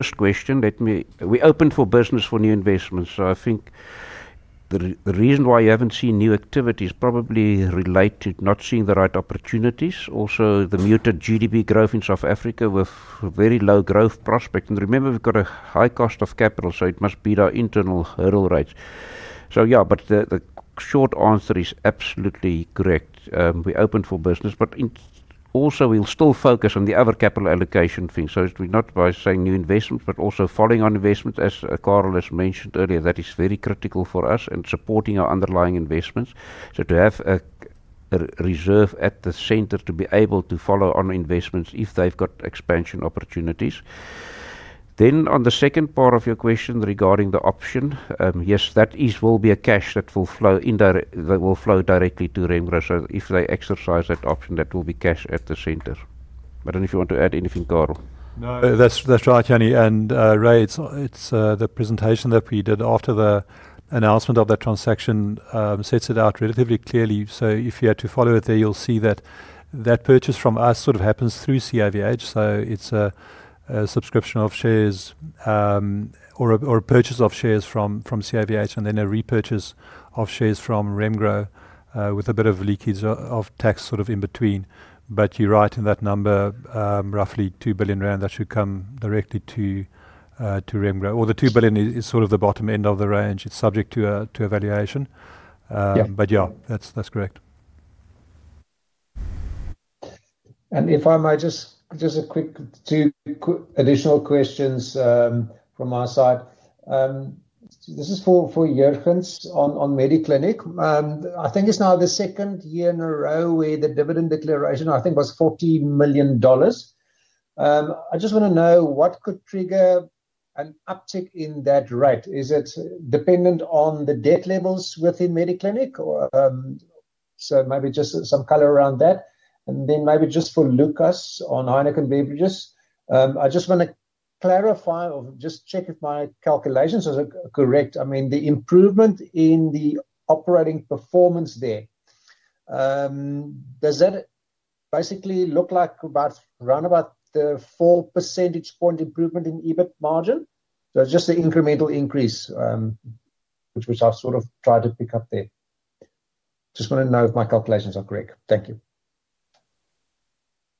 First question, let me, we're open for business for new investments. I think the reason why you haven't seen new activity is probably related to not seeing the right opportunities. Also, the muted GDP growth in South Africa with very low growth prospects. Remember, we've got a high cost of capital, so it must beat our internal hurdle rates. The short answer is absolutely correct. We're open for business, but also we'll still focus on the other capital allocation things. It's not by saying new investments, but also following on investments, as Carel has mentioned earlier, that is very critical for us and supporting our underlying investments. To have a reserve at the center to be able to follow on investments if they've got expansion opportunities. On the second part of your question regarding the option, yes, that will be a cash that will flow directly to Remgro Ltd. If they exercise that option, that will be cash at the center. I don't know if you want to add anything, Carel. No, that's right, Jannie. And Rey. It's the presentation that we did after the announcement of that transaction, sets it out relatively clearly. If you had to follow it there, you'll see that that purchase from us sort of happens through CIVH. It's a subscription of shares or a purchase of shares from CIVH, and then a repurchase of shares from Remgro with a bit of leakage of tax in between. You're right in that number, roughly R2 billion, that should come directly to Remgro. The R2 billion is sort of the bottom end of the range. It's subject to evaluation. That's correct. If I might just, just a quick two additional questions from our side. This is for Jurgens on Mediclinic. I think it's now the second year in a row where the dividend declaration, I think, was $40 million. I just want to know what could trigger an uptick in that rate. Is it dependent on the debt levels within Mediclinic? Maybe just some color around that. Then maybe just for Lukas on Heineken Beverages. I just want to clarify or just check if my calculations are correct. I mean, the improvement in the operating performance there, does that basically look like about the 4% improvement in EBIT margin? There's just an incremental increase, which I've sort of tried to pick up there. I just want to know if my calculations are correct. Thank you.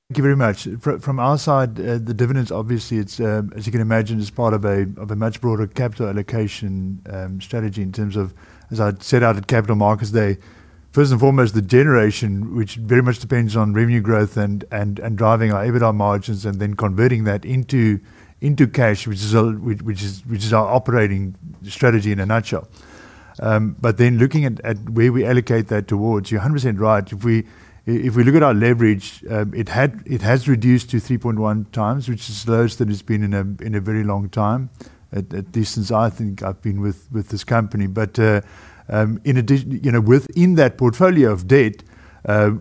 Thank you very much. From our side, the dividends, obviously, as you can imagine, is part of a much broader capital allocation strategy in terms of, as I said, out of capital markets there. First and foremost, the generation, which very much depends on revenue growth and driving our EBITDA margins and then converting that into cash, which is our operating strategy in a nutshell. Looking at where we allocate that towards, you're 100% right. If we look at our leverage, it has reduced to 3.1x, which is the lowest that it's been in a very long time, at the distance I think I've been with this company. In addition, within that portfolio of debt,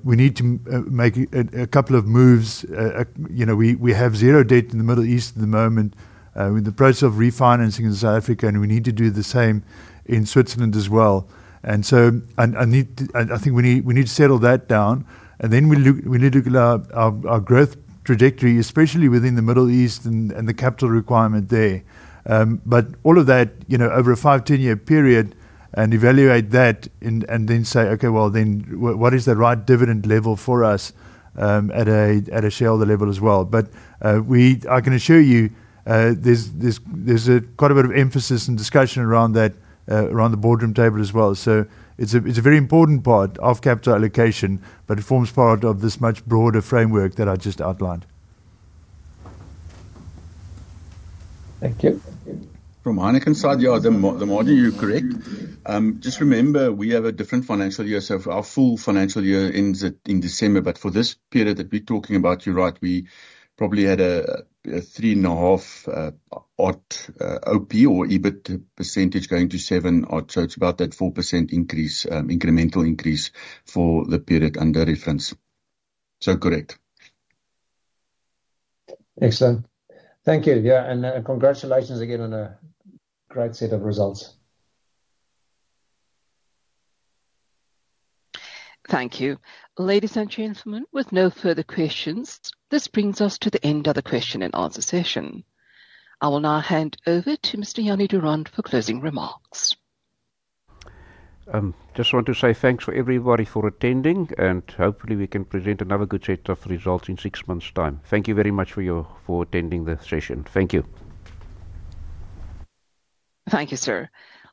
we need to make a couple of moves. We have zero debt in the Middle East at the moment. We're in the process of refinancing in South Africa, and we need to do the same in Switzerland as well. I think we need to settle that down. We need to look at our growth trajectory, especially within the Middle East and the capital requirement there. All of that, over a five, ten year period and evaluate that and then say, okay, what is the right dividend level for us at a shareholder level as well? We are going to show you there's quite a bit of emphasis and discussion around that, around the boardroom table as well. It's a very important part of capital allocation, but it forms part of this much broader framework that I just outlined. Thank you. From Heineken Beverages' side, yeah, the margin, you're correct. Just remember we have a different financial year. Our full financial year ends in December. For this period that we're talking about, you're right, we probably had a 3.5% odd OP or EBIT percentage going to 7% odd. It's about that 4% increase, incremental increase for the period under reference. Correct. Excellent. Thank you. Yeah, congratulations again on a great set of results. Thank you. Ladies and gentlemen, with no further questions, this brings us to the end of the question and answer session. I will now hand over to Mr. Jannie Durand for closing remarks. Just want to say thanks for everybody for attending, and hopefully we can present another good set of results in six months' time. Thank you very much for attending the session. Thank you. Thank you, sir.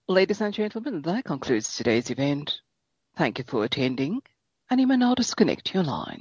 Ladies and gentlemen, that concludes today's event. Thank you for attending, and you may now disconnect your line.